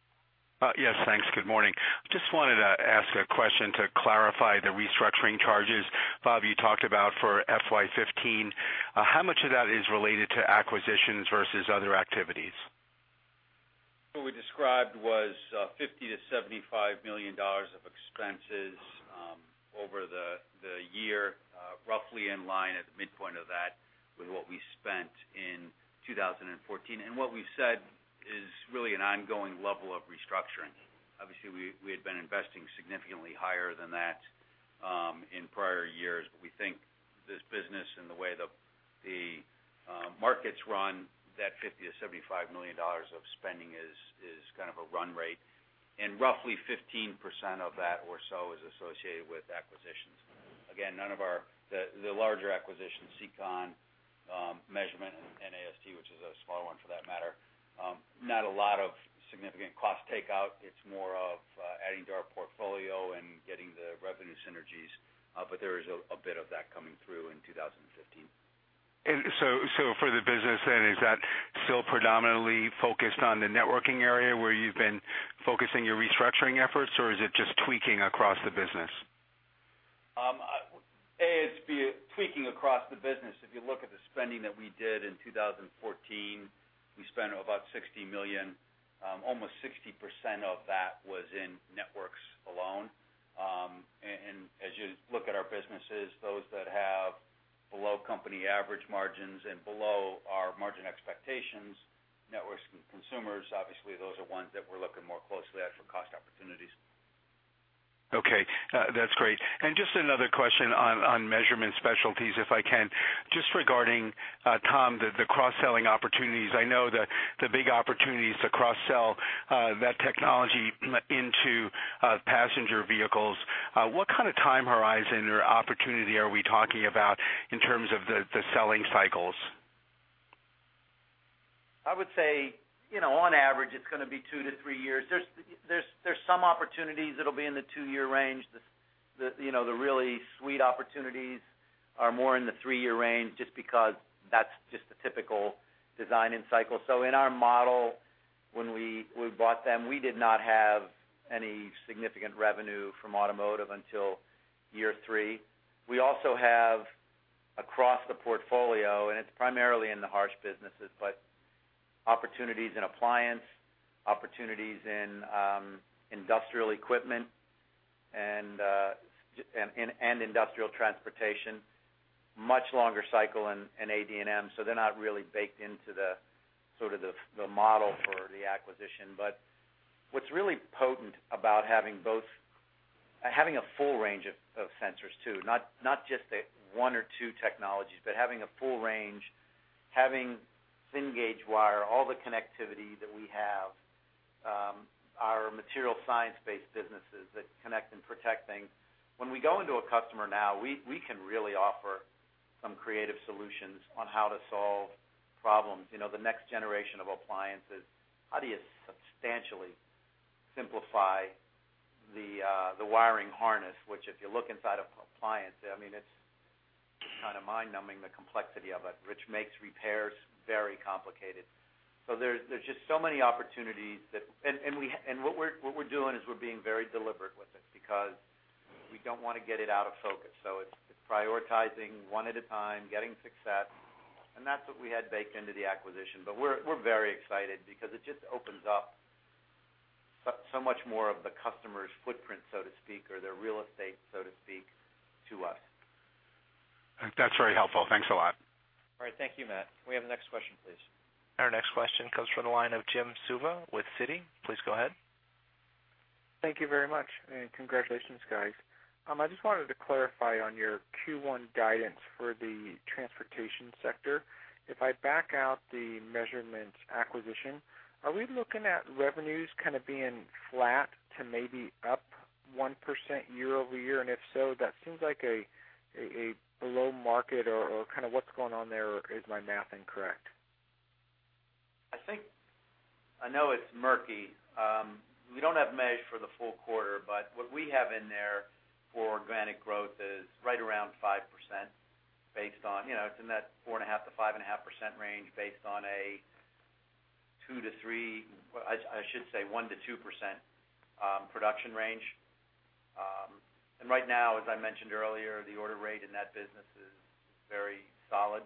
Yes, thanks. Good morning. Just wanted to ask a question to clarify the restructuring charges Bob, you talked about for FY 2015. How much of that is related to acquisitions versus other activities? What we described was $50 million-$75 million of expenses over the year, roughly in line at the midpoint of that with what we spent in 2014. What we've said is really an ongoing level of restructuring. Obviously, we had been investing significantly higher than that in prior years, but we think this business and the way the markets run, that $50 million-$75 million of spending is kind of a run rate. And roughly 15% of that or so is associated with acquisitions. Again, none of our larger acquisitions, SEACON, Measurement, and AST, which is a smaller one for that matter, not a lot of significant cost takeout. It's more of adding to our portfolio and getting the revenue synergies. But there is a bit of that coming through in 2015. And so for the business then, is that still predominantly focused on the networking area where you've been focusing your restructuring efforts, or is it just tweaking across the business? It's tweaking across the business. If you look at the spending that we did in 2014, we spent about $60 million. Almost 60% of that was in networks alone. As you look at our businesses, those that have below company average margins and below our margin expectations, networks and consumers, obviously, those are ones that we're looking more closely at for cost opportunities. Okay. That's great. Just another question on Measurement Specialties, if I can, just regarding, Tom, the cross-selling opportunities. I know the big opportunities to cross-sell that technology into passenger vehicles. What kind of time horizon or opportunity are we talking about in terms of the selling cycles? I would say, on average, it's going to be two to three years. There's some opportunities that will be in the 2-year range. The really sweet opportunities are more in the three-year range just because that's just a typical design-in cycle. So in our model, when we bought them, we did not have any significant revenue from Automotive until year three. We also have across the portfolio, and it's primarily in the harsh businesses, but opportunities in appliance, opportunities in Industrial Equipment, and Industrial Transportation, much longer cycle in AD&M. So they're not really baked into sort of the model for the acquisition. But what's really potent about having a full range of sensors too, not just one or two technologies, but having a full range, having thin gauge wire, all the connectivity that we have, our material science-based businesses that connect and protect things. When we go into a customer now, we can really offer some creative solutions on how to solve problems. The next generation of Appliances, how do you substantially simplify the wiring harness, which if you look inside of Appliances, I mean, it's kind of mind-numbing, the complexity of it, which makes repairs very complicated. So there's just so many opportunities that—and what we're doing is we're being very deliberate with it because we don't want to get it out of focus. So it's prioritizing one at a time, getting success. And that's what we had baked into the acquisition. But we're very excited because it just opens up so much more of the customer's footprint, so to speak, or their real estate, so to speak, to us. That's very helpful. Thanks a lot. All right. Thank you, Matt. We have the next question, please. Our next question comes from the line of Jim Suva with Citi. Please go ahead. Thank you very much. And congratulations, guys. I just wanted to clarify on your Q1 guidance for the Transportation sector. If I back out the Measurement acquisition, are we looking at revenues kind of being flat to maybe up 1% year-over-year? And if so, that seems like a below-market, or kind of what's going on there? Is my math incorrect? I know it's murky. We don't have Measurement for the full quarter, but what we have in there for organic growth is right around 5% based on, it's in that 4.5%-5.5% range based on a two to three, I should say 1%-2% production range. And right now, as I mentioned earlier, the order rate in that business is very solid.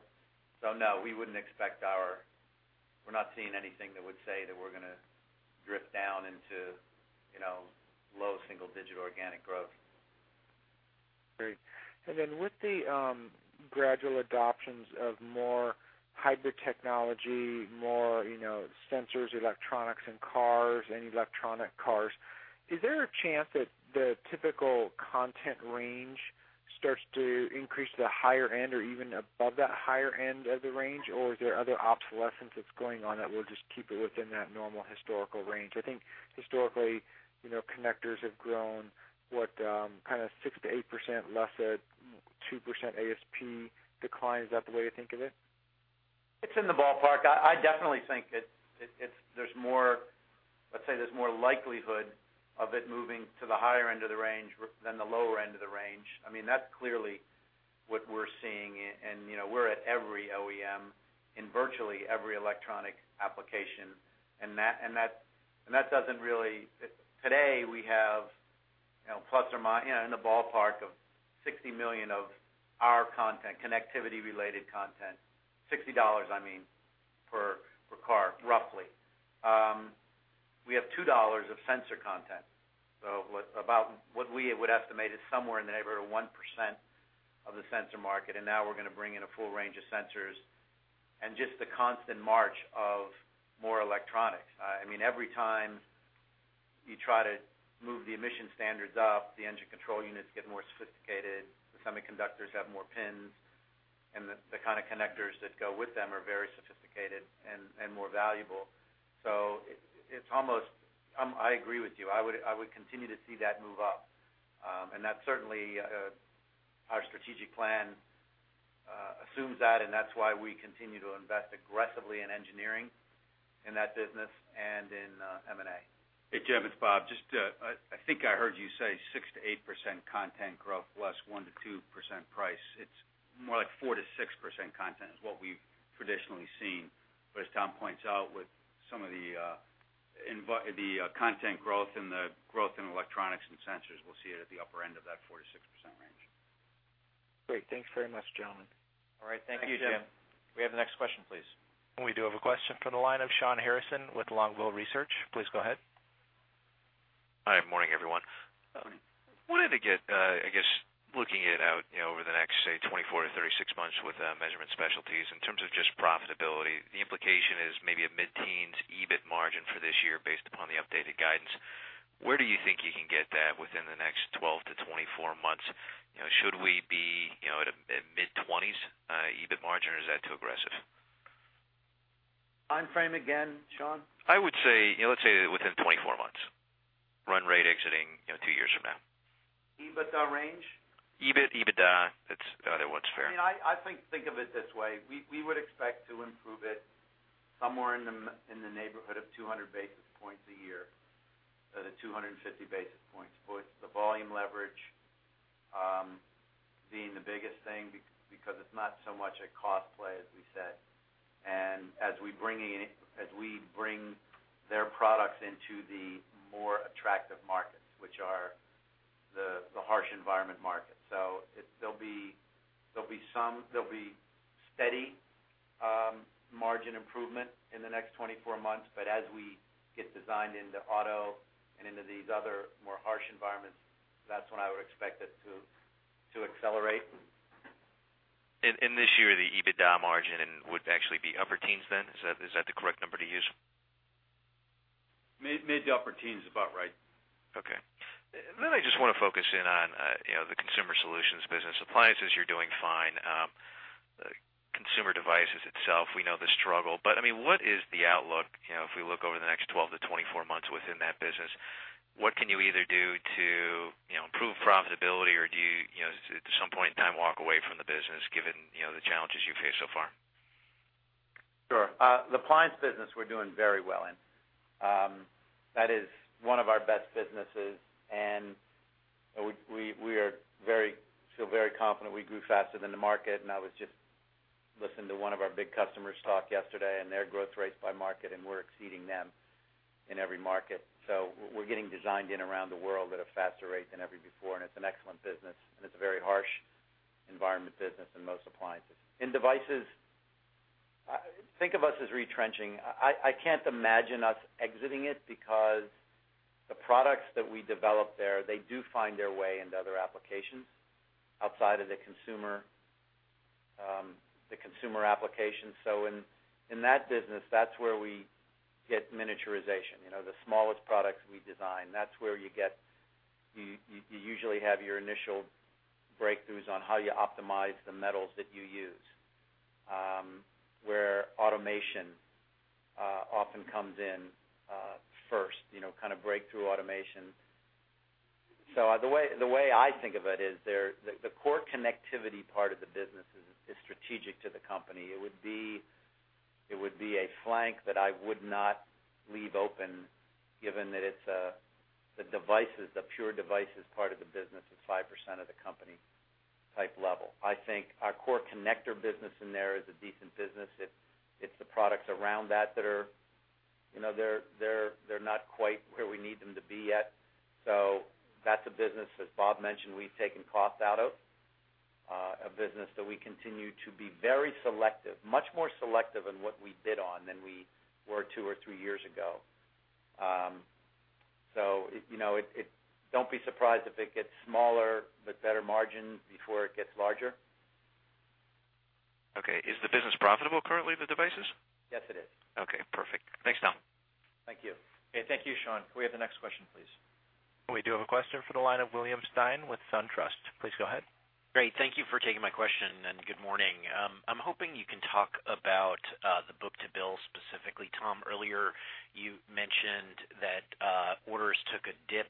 So no, we wouldn't expect our, we're not seeing anything that would say that we're going to drift down into low single-digit organic growth. Great. And then with the gradual adoptions of more hybrid technology, more sensors, electronics in cars, and electronic cars, is there a chance that the typical content range starts to increase to the higher end or even above that higher end of the range, or is there other obsolescence that's going on that will just keep it within that normal historical range? I think historically, connectors have grown what, kind of 6%-8% less at 2% ASP decline, is that the way to think of it? It's in the ballpark. I definitely think there's more, let's say there's more likelihood of it moving to the higher end of the range than the lower end of the range. I mean, that's clearly what we're seeing. And we're at every OEM in virtually every electronic application. That doesn't really. Today, we have plus or minus in the ballpark of $60 million of our content, connectivity-related content, $60, I mean, per car, roughly. We have $2 of sensor content. So about what we would estimate is somewhere in the neighborhood of 1% of the sensor market. And now we're going to bring in a full range of sensors and just the constant march of more electronics. I mean, every time you try to move the emission standards up, the engine control units get more sophisticated. The semiconductors have more pins. And the kind of connectors that go with them are very sophisticated and more valuable. So it's almost. I agree with you. I would continue to see that move up. And that's certainly our strategic plan assumes that, and that's why we continue to invest aggressively in engineering in that business and in M&A. Hey, Jim. It's Bob. Just, I think I heard you say 6%-8% content growth plus 1%-2% price. It's more like 4%-6% content is what we've traditionally seen. But as Tom points out, with some of the content growth and the growth in electronics and sensors, we'll see it at the upper end of that 4%-6% range. Great. Thanks very much, gentlemen. All right. Thank you, Jim. We have the next question, please. And we do have a question from the line of Shawn Harrison with Longbow Research. Please go ahead. Hi. Morning, everyone. I wanted to get, I guess, looking it out over the next, say, 24-36 months with Measurement Specialties in terms of just profitability. The implication is maybe a mid-teens EBIT margin for this year based upon the updated guidance. Where do you think you can get that within the next 12-24 months? Should we be at mid-20s EBIT margin, or is that too aggressive? Timeframe again, Sean? I would say, let's say within 24 months. Run rate exiting two years from now. EBITDA range? EBIT, EBITDA, that's the other one. Fair. I think of it this way. We would expect to improve it somewhere in the neighborhood of 200 basis points a year, 250 basis points. But the volume leverage being the biggest thing because it's not so much a cost play as we said. And as we bring their products into the more attractive markets, which are the harsh environment markets. So there'll be steady margin improvement in the next 24 months. But as we get designed into auto and into these other more harsh environments, that's when I would expect it to accelerate. And this year, the EBITDA margin would actually be upper teens then? Is that the correct number to use? Mid to upper teens is about right. Okay. Then I just want to focus in on the Consumer Solutions business. Appliances, you're doing fine. Consumer Devices itself, we know the struggle. But I mean, what is the outlook if we look over the next 12-24 months within that business? What can you either do to improve profitability, or do you at some point in time walk away from the business given the challenges you've faced so far? Sure. The appliance business we're doing very well in. That is one of our best businesses. And we feel very confident we grew faster than the market. I was just listening to one of our big customers talk yesterday and their growth rates by market, and we're exceeding them in every market. So we're getting designed in around the world at a faster rate than ever before. It's an excellent business. It's a very harsh environment business in most Appliances. In devices, think of us as retrenching. I can't imagine us exiting it because the products that we develop there, they do find their way into other applications outside of the consumer applications. So in that business, that's where we get miniaturization. The smallest products we design, that's where you usually have your initial breakthroughs on how you optimize the metals that you use, where automation often comes in first, kind of breakthrough automation. So the way I think of it is the core connectivity part of the business is strategic to the company. It would be a flank that I would not leave open given that it's the pure devices part of the business is 5% of the company type level. I think our core connector business in there is a decent business. It's the products around that that they're not quite where we need them to be yet. So that's a business, as Bob mentioned, we've taken cost out of a business that we continue to be very selective, much more selective in what we bid on than we were two or three years ago. So don't be surprised if it gets smaller with better margins before it gets larger. Okay. Is the business profitable currently, the devices? Yes, it is. Okay. Perfect. Thanks, Tom. Thank you. Hey, thank you, Shawn. Can we have the next question, please? We do have a question for the line of William Stein with SunTrust. Please go ahead. Great. Thank you for taking my question. Good morning. I'm hoping you can talk about the book-to-bill specifically. Tom, earlier you mentioned that orders took a dip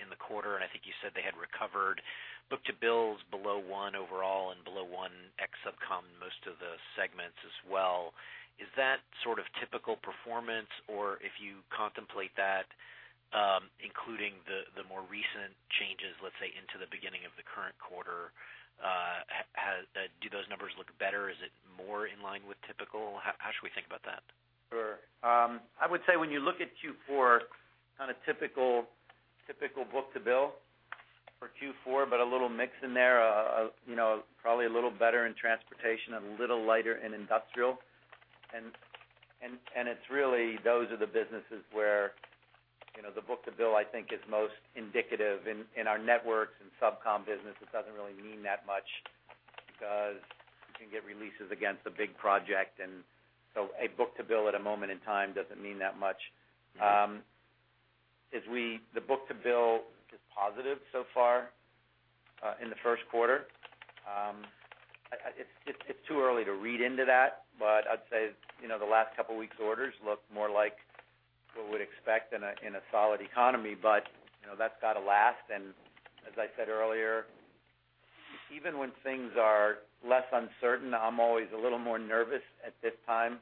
in the quarter. I think you said they had recovered book-to-bills below 1 overall and below 1 ex-SubCom in most of the segments as well. Is that sort of typical performance? Or if you contemplate that, including the more recent changes, let's say, into the beginning of the current quarter, do those numbers look better? Is it more in line with typical? How should we think about that? Sure. I would say when you look at Q4, kind of typical book-to-bill for Q4, but a little mix in there, probably a little better in Transportation, a little lighter in Industrial. It's really those are the businesses where the book-to-bill, I think, is most indicative in our networks and SubCom business. It doesn't really mean that much because you can get releases against a big project. And so a book-to-bill at a moment in time doesn't mean that much. The book-to-bill is positive so far in the first quarter. It's too early to read into that. But I'd say the last couple of weeks' orders look more like what we'd expect in a solid economy. But that's got to last. And as I said earlier, even when things are less uncertain, I'm always a little more nervous at this time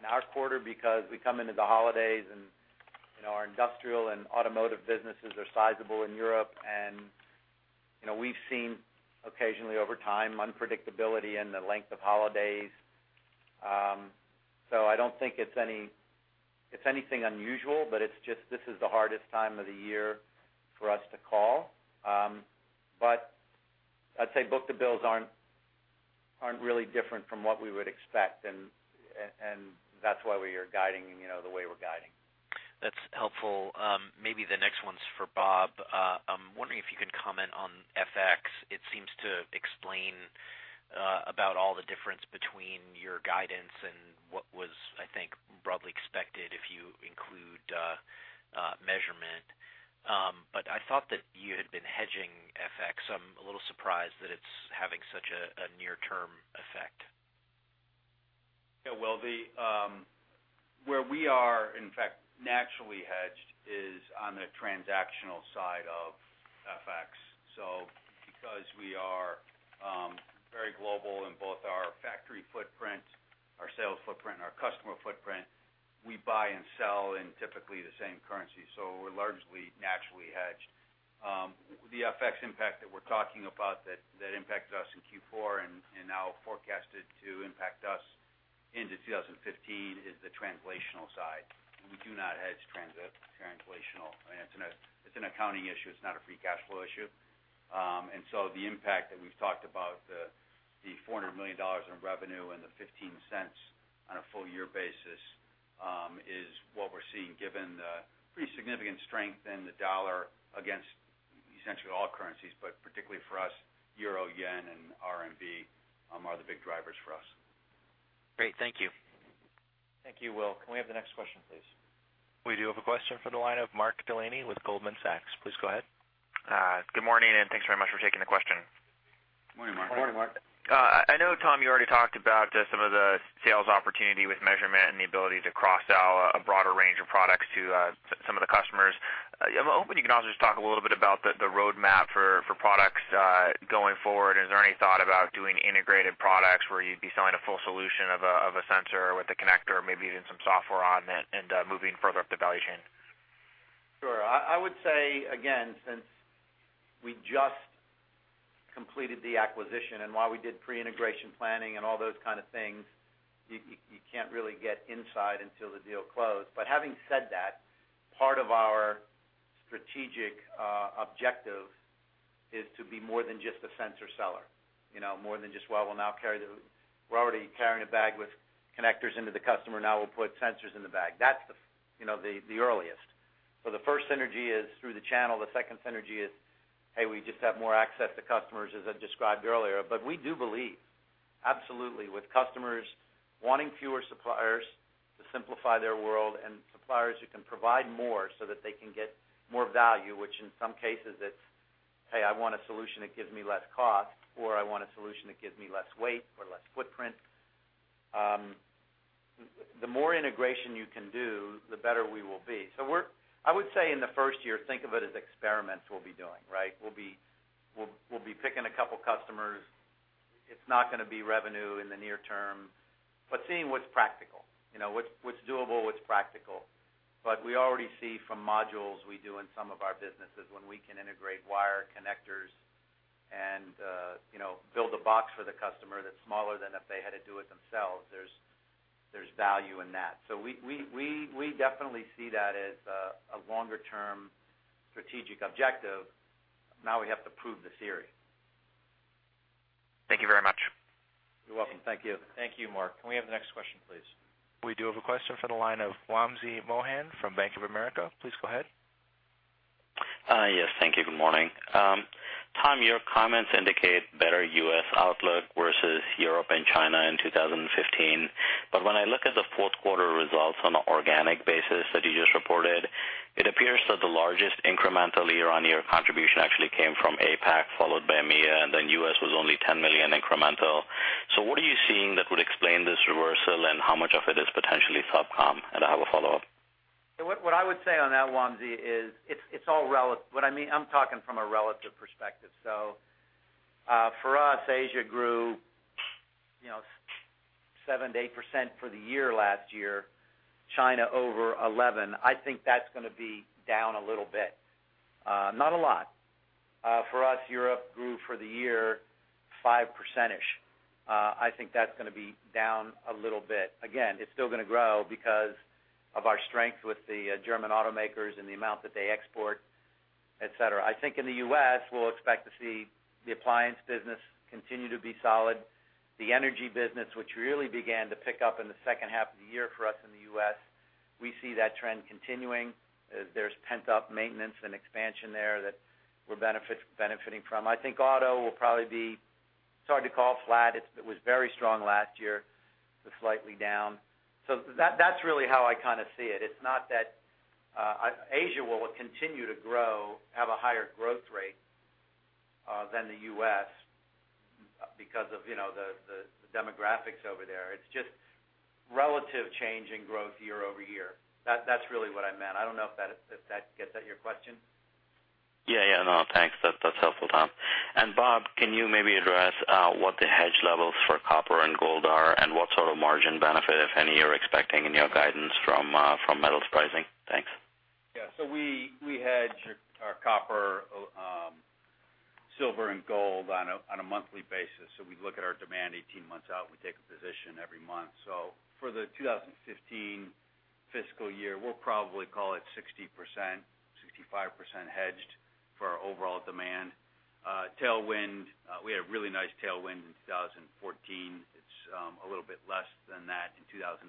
in our quarter because we come into the holidays and our Industrial and Automotive businesses are sizable in Europe. And we've seen occasionally over time unpredictability in the length of holidays. So I don't think it's anything unusual, but it's just this is the hardest time of the year for us to call. But I'd say book-to-bill ratios aren't really different from what we would expect. And that's why we are guiding the way we're guiding. That's helpful. Maybe the next one's for Bob. I'm wondering if you can comment on FX. It seems to explain about all the difference between your guidance and what was, I think, broadly expected if you include Measurement. But I thought that you had been hedging FX. I'm a little surprised that it's having such a near-term effect. Yeah. Well, where we are, in fact, naturally hedged is on the transactional side of FX. So because we are very global in both our factory footprint, our sales footprint, and our customer footprint, we buy and sell in typically the same currency. So we're largely naturally hedged. The FX impact that we're talking about that impacted us in Q4 and now forecasted to impact us into 2015 is the translational side. We do not hedge translational. I mean, it's an accounting issue. It's not a free cash flow issue. And so the impact that we've talked about, the $400 million in revenue and the $0.15 on a full-year basis is what we're seeing given the pretty significant strength in the dollar against essentially all currencies, but particularly for us, euro, yen, and RMB are the big drivers for us. Great. Thank you. Thank you, Will. Can we have the next question, please? We do have a question for the line of Mark Delaney with Goldman Sachs. Please go ahead. Good morning. Thanks very much for taking the question. Good morning, Mark. Good morning, Mark. I know, Tom, you already talked about some of the sales opportunity with Measurement and the ability to cross out a broader range of products to some of the customers. I'm hoping you can also just talk a little bit about the roadmap for products going forward. Is there any thought about doing integrated products where you'd be selling a full solution of a sensor with a connector, maybe even some software on it, and moving further up the value chain? Sure. I would say, again, since we just completed the acquisition and while we did pre-integration planning and all those kind of things, you can't really get inside until the deal closed. But having said that, part of our strategic objective is to be more than just a sensor seller, more than just, "Well, we'll now carry the we're already carrying a bag with connectors into the customer. Now we'll put sensors in the bag." That's the earliest. So the first synergy is through the channel. The second synergy is, "Hey, we just have more access to customers," as I described earlier. But we do believe, absolutely, with customers wanting fewer suppliers to simplify their world and suppliers who can provide more so that they can get more value, which in some cases it's, "Hey, I want a solution that gives me less cost," or, "I want a solution that gives me less weight or less footprint." The more integration you can do, the better we will be. So I would say in the first year, think of it as experiments we'll be doing, right? We'll be picking a couple of customers. It's not going to be revenue in the near term, but seeing what's practical, what's doable, what's practical. But we already see from modules we do in some of our businesses when we can integrate wire connectors and build a box for the customer that's smaller than if they had to do it themselves, there's value in that. So we definitely see that as a longer-term strategic objective. Now we have to prove the theory. Thank you very much. You're welcome. Thank you. Thank you, Mark. Can we have the next question, please? We do have a question for the line of Wamsi Mohan from Bank of America. Please go ahead. Yes. Thank you. Good morning. Tom, your comments indicate better U.S. outlook versus Europe and China in 2015. But when I look at the fourth quarter results on an organic basis that you just reported, it appears that the largest incremental year-on-year contribution actually came from APAC, followed by EMEA, and then U.S. was only $10 million incremental. So what are you seeing that would explain this reversal and how much of it is potentially SubCom? And I have a follow-up. What I would say on that, Wamsi, is it's all relative. What I mean, I'm talking from a relative perspective. So for us, Asia grew 7%-8% for the year last year. China over 11%. I think that's going to be down a little bit. Not a lot. For us, Europe grew for the year 5%-ish. I think that's going to be down a little bit. Again, it's still going to grow because of our strength with the German automakers and the amount that they export, etc. I think in the U.S., we'll expect to see the appliance business continue to be solid. The Energy business, which really began to pick up in the second half of the year for us in the U.S., we see that trend continuing as there's pent-up maintenance and expansion there that we're benefiting from. I think auto will probably be. It's hard to call flat. It was very strong last year, but slightly down. So that's really how I kind of see it. It's not that Asia will continue to grow, have a higher growth rate than the U.S. because of the demographics over there. It's just relative change in growth year-over-year. That's really what I meant. I don't know if that gets at your question. Yeah. Yeah. No. Thanks. That's helpful, Tom. And Bob, can you maybe address what the hedge levels for copper and gold are and what sort of margin benefit, if any, you're expecting in your guidance from metals pricing? Thanks. Yeah. So we hedge our copper, silver, and gold on a monthly basis. So we look at our demand 18 months out. We take a position every month. So for the 2015 fiscal year, we'll probably call it 60%-65% hedged for our overall demand. Tailwind, we had a really nice tailwind in 2014. It's a little bit less than that in 2015.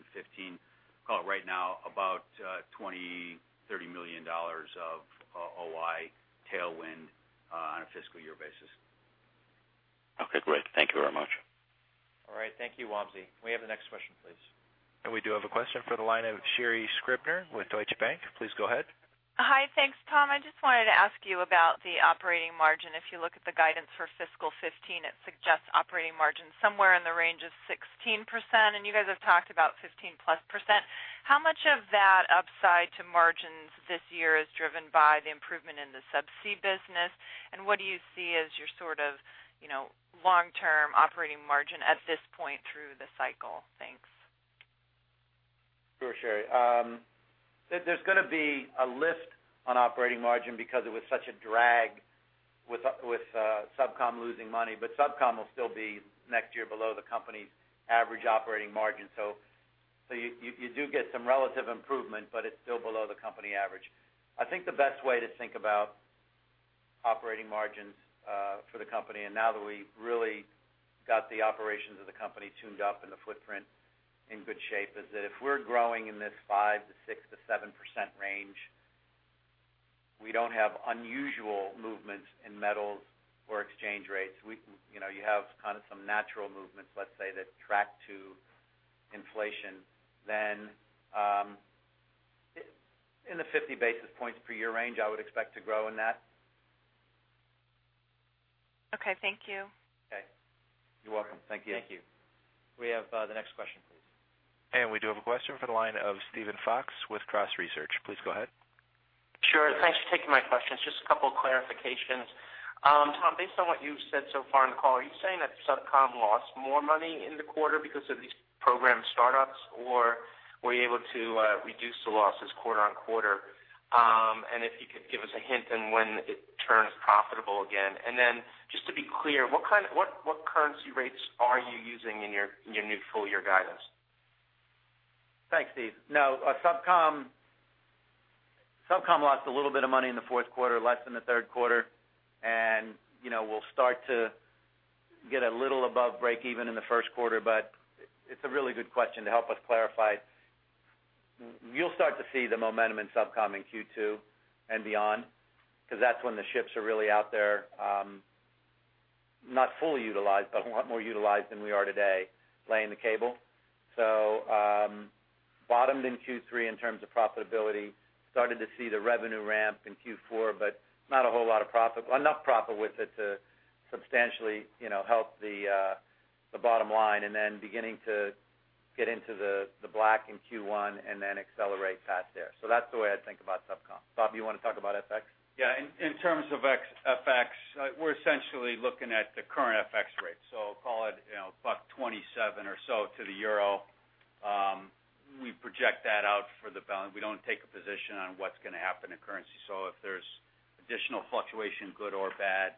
Call it right now about $20-$30 million of OI tailwind on a fiscal year basis. Okay. Great. Thank you very much. All right. Thank you, Wamsi. Can we have the next question, please? And we do have a question for the line of Sherri Scribner with Deutsche Bank. Please go ahead. Hi. Thanks, Tom. I just wanted to ask you about the operating margin. If you look at the guidance for fiscal 2015, it suggests operating margin somewhere in the range of 16%. And you guys have talked about 15%+. How much of that upside to margins this year is driven by the improvement in the subsea business? And what do you see as your sort of long-term operating margin at this point through the cycle? Thanks. Sure, Sherri. There's going to be a lift on operating margin because it was such a drag with SubCom losing money. But SubCom will still be next year below the company's average operating margin. So you do get some relative improvement, but it's still below the company average. I think the best way to think about operating margins for the company, and now that we've really got the operations of the company tuned up and the footprint in good shape, is that if we're growing in this 5%-7% range, we don't have unusual movements in metals or exchange rates. You have kind of some natural movements, let's say, that track to inflation. Then in the 50 basis points per year range, I would expect to grow in that. Okay. Thank you. Okay. You're welcome. Thank you. Thank you. We have the next question, please. We do have a question for the line of Steven Fox with Cross Research. Please go ahead. Sure. Thanks for taking my question. Just a couple of clarifications. Tom, based on what you've said so far in the call, are you saying that SubCom lost more money in the quarter because of these program startups, or were you able to reduce the losses quarter-over-quarter? And if you could give us a hint on when it turns profitable again. And then just to be clear, what currency rates are you using in your new full-year guidance? Thanks, Steve. No. SubCom lost a little bit of money in the fourth quarter, less in the third quarter. And we'll start to get a little above break-even in the first quarter. But it's a really good question to help us clarify. You'll start to see the momentum in SubCom in Q2 and beyond because that's when the ships are really out there, not fully utilized, but a lot more utilized than we are today, laying the cable. So bottomed in Q3 in terms of profitability, started to see the revenue ramp in Q4, but not a whole lot of profit, enough profit with it to substantially help the bottom line, and then beginning to get into the black in Q1 and then accelerate past there. So that's the way I'd think about SubCom. Bob, do you want to talk about FX? Yeah. In terms of FX, we're essentially looking at the current FX rate. So call it $1.27 or so to the euro. We project that out for the balance. We don't take a position on what's going to happen in currency. So if there's additional fluctuation, good or bad,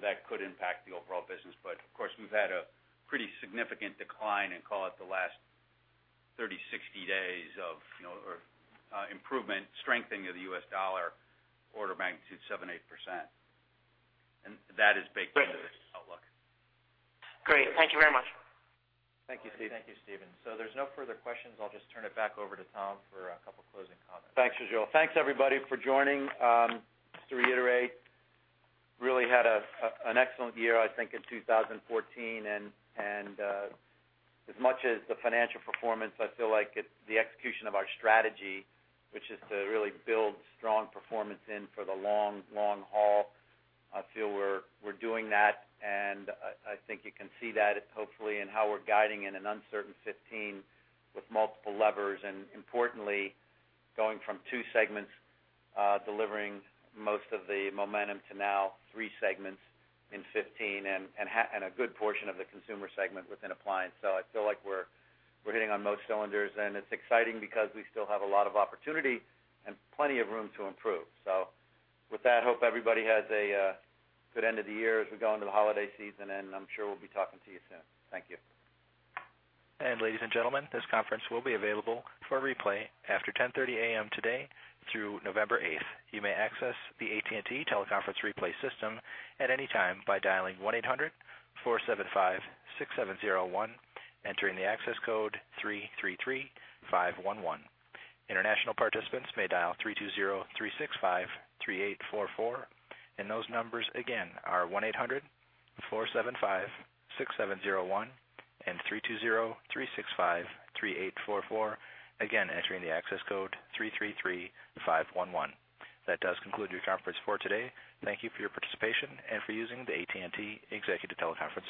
that could impact the overall business. But of course, we've had a pretty significant decline in, call it, the last 30, 60 days of improvement, strengthening of the U.S. dollar, order of magnitude 7%-8%. That is baked into this outlook. Great. Thank you very much. Thank you, Steve. Thank you, Steven. There's no further questions. I'll just turn it back over to Tom for a couple of closing comments. Thanks, Joel. Thanks, everybody, for joining. Just to reiterate, really had an excellent year, I think, in 2014. And as much as the financial performance, I feel like the execution of our strategy, which is to really build strong performance in for the long, long haul, I feel we're doing that. And I think you can see that, hopefully, in how we're guiding in an uncertain 2015 with multiple levers and, importantly, going from two segments, delivering most of the momentum to now three segments in 2015 and a good portion of the consumer segment within appliance. So I feel like we're hitting on most cylinders. It's exciting because we still have a lot of opportunity and plenty of room to improve. With that, hope everybody has a good end of the year as we go into the holiday season. I'm sure we'll be talking to you soon. Thank you. Ladies and gentlemen, this conference will be available for replay after 10:30 A.M. today through November 8th. You may access the AT&T teleconference replay system at any time by dialing 1-800-475-6701, entering the access code 333511. International participants may dial 320-365-3844. Those numbers again are 1-800-475-6701 and 320-365-3844. Again, entering the access code 333511. That does conclude your conference for today. Thank you for your participation and for using the AT&T Executive Teleconference.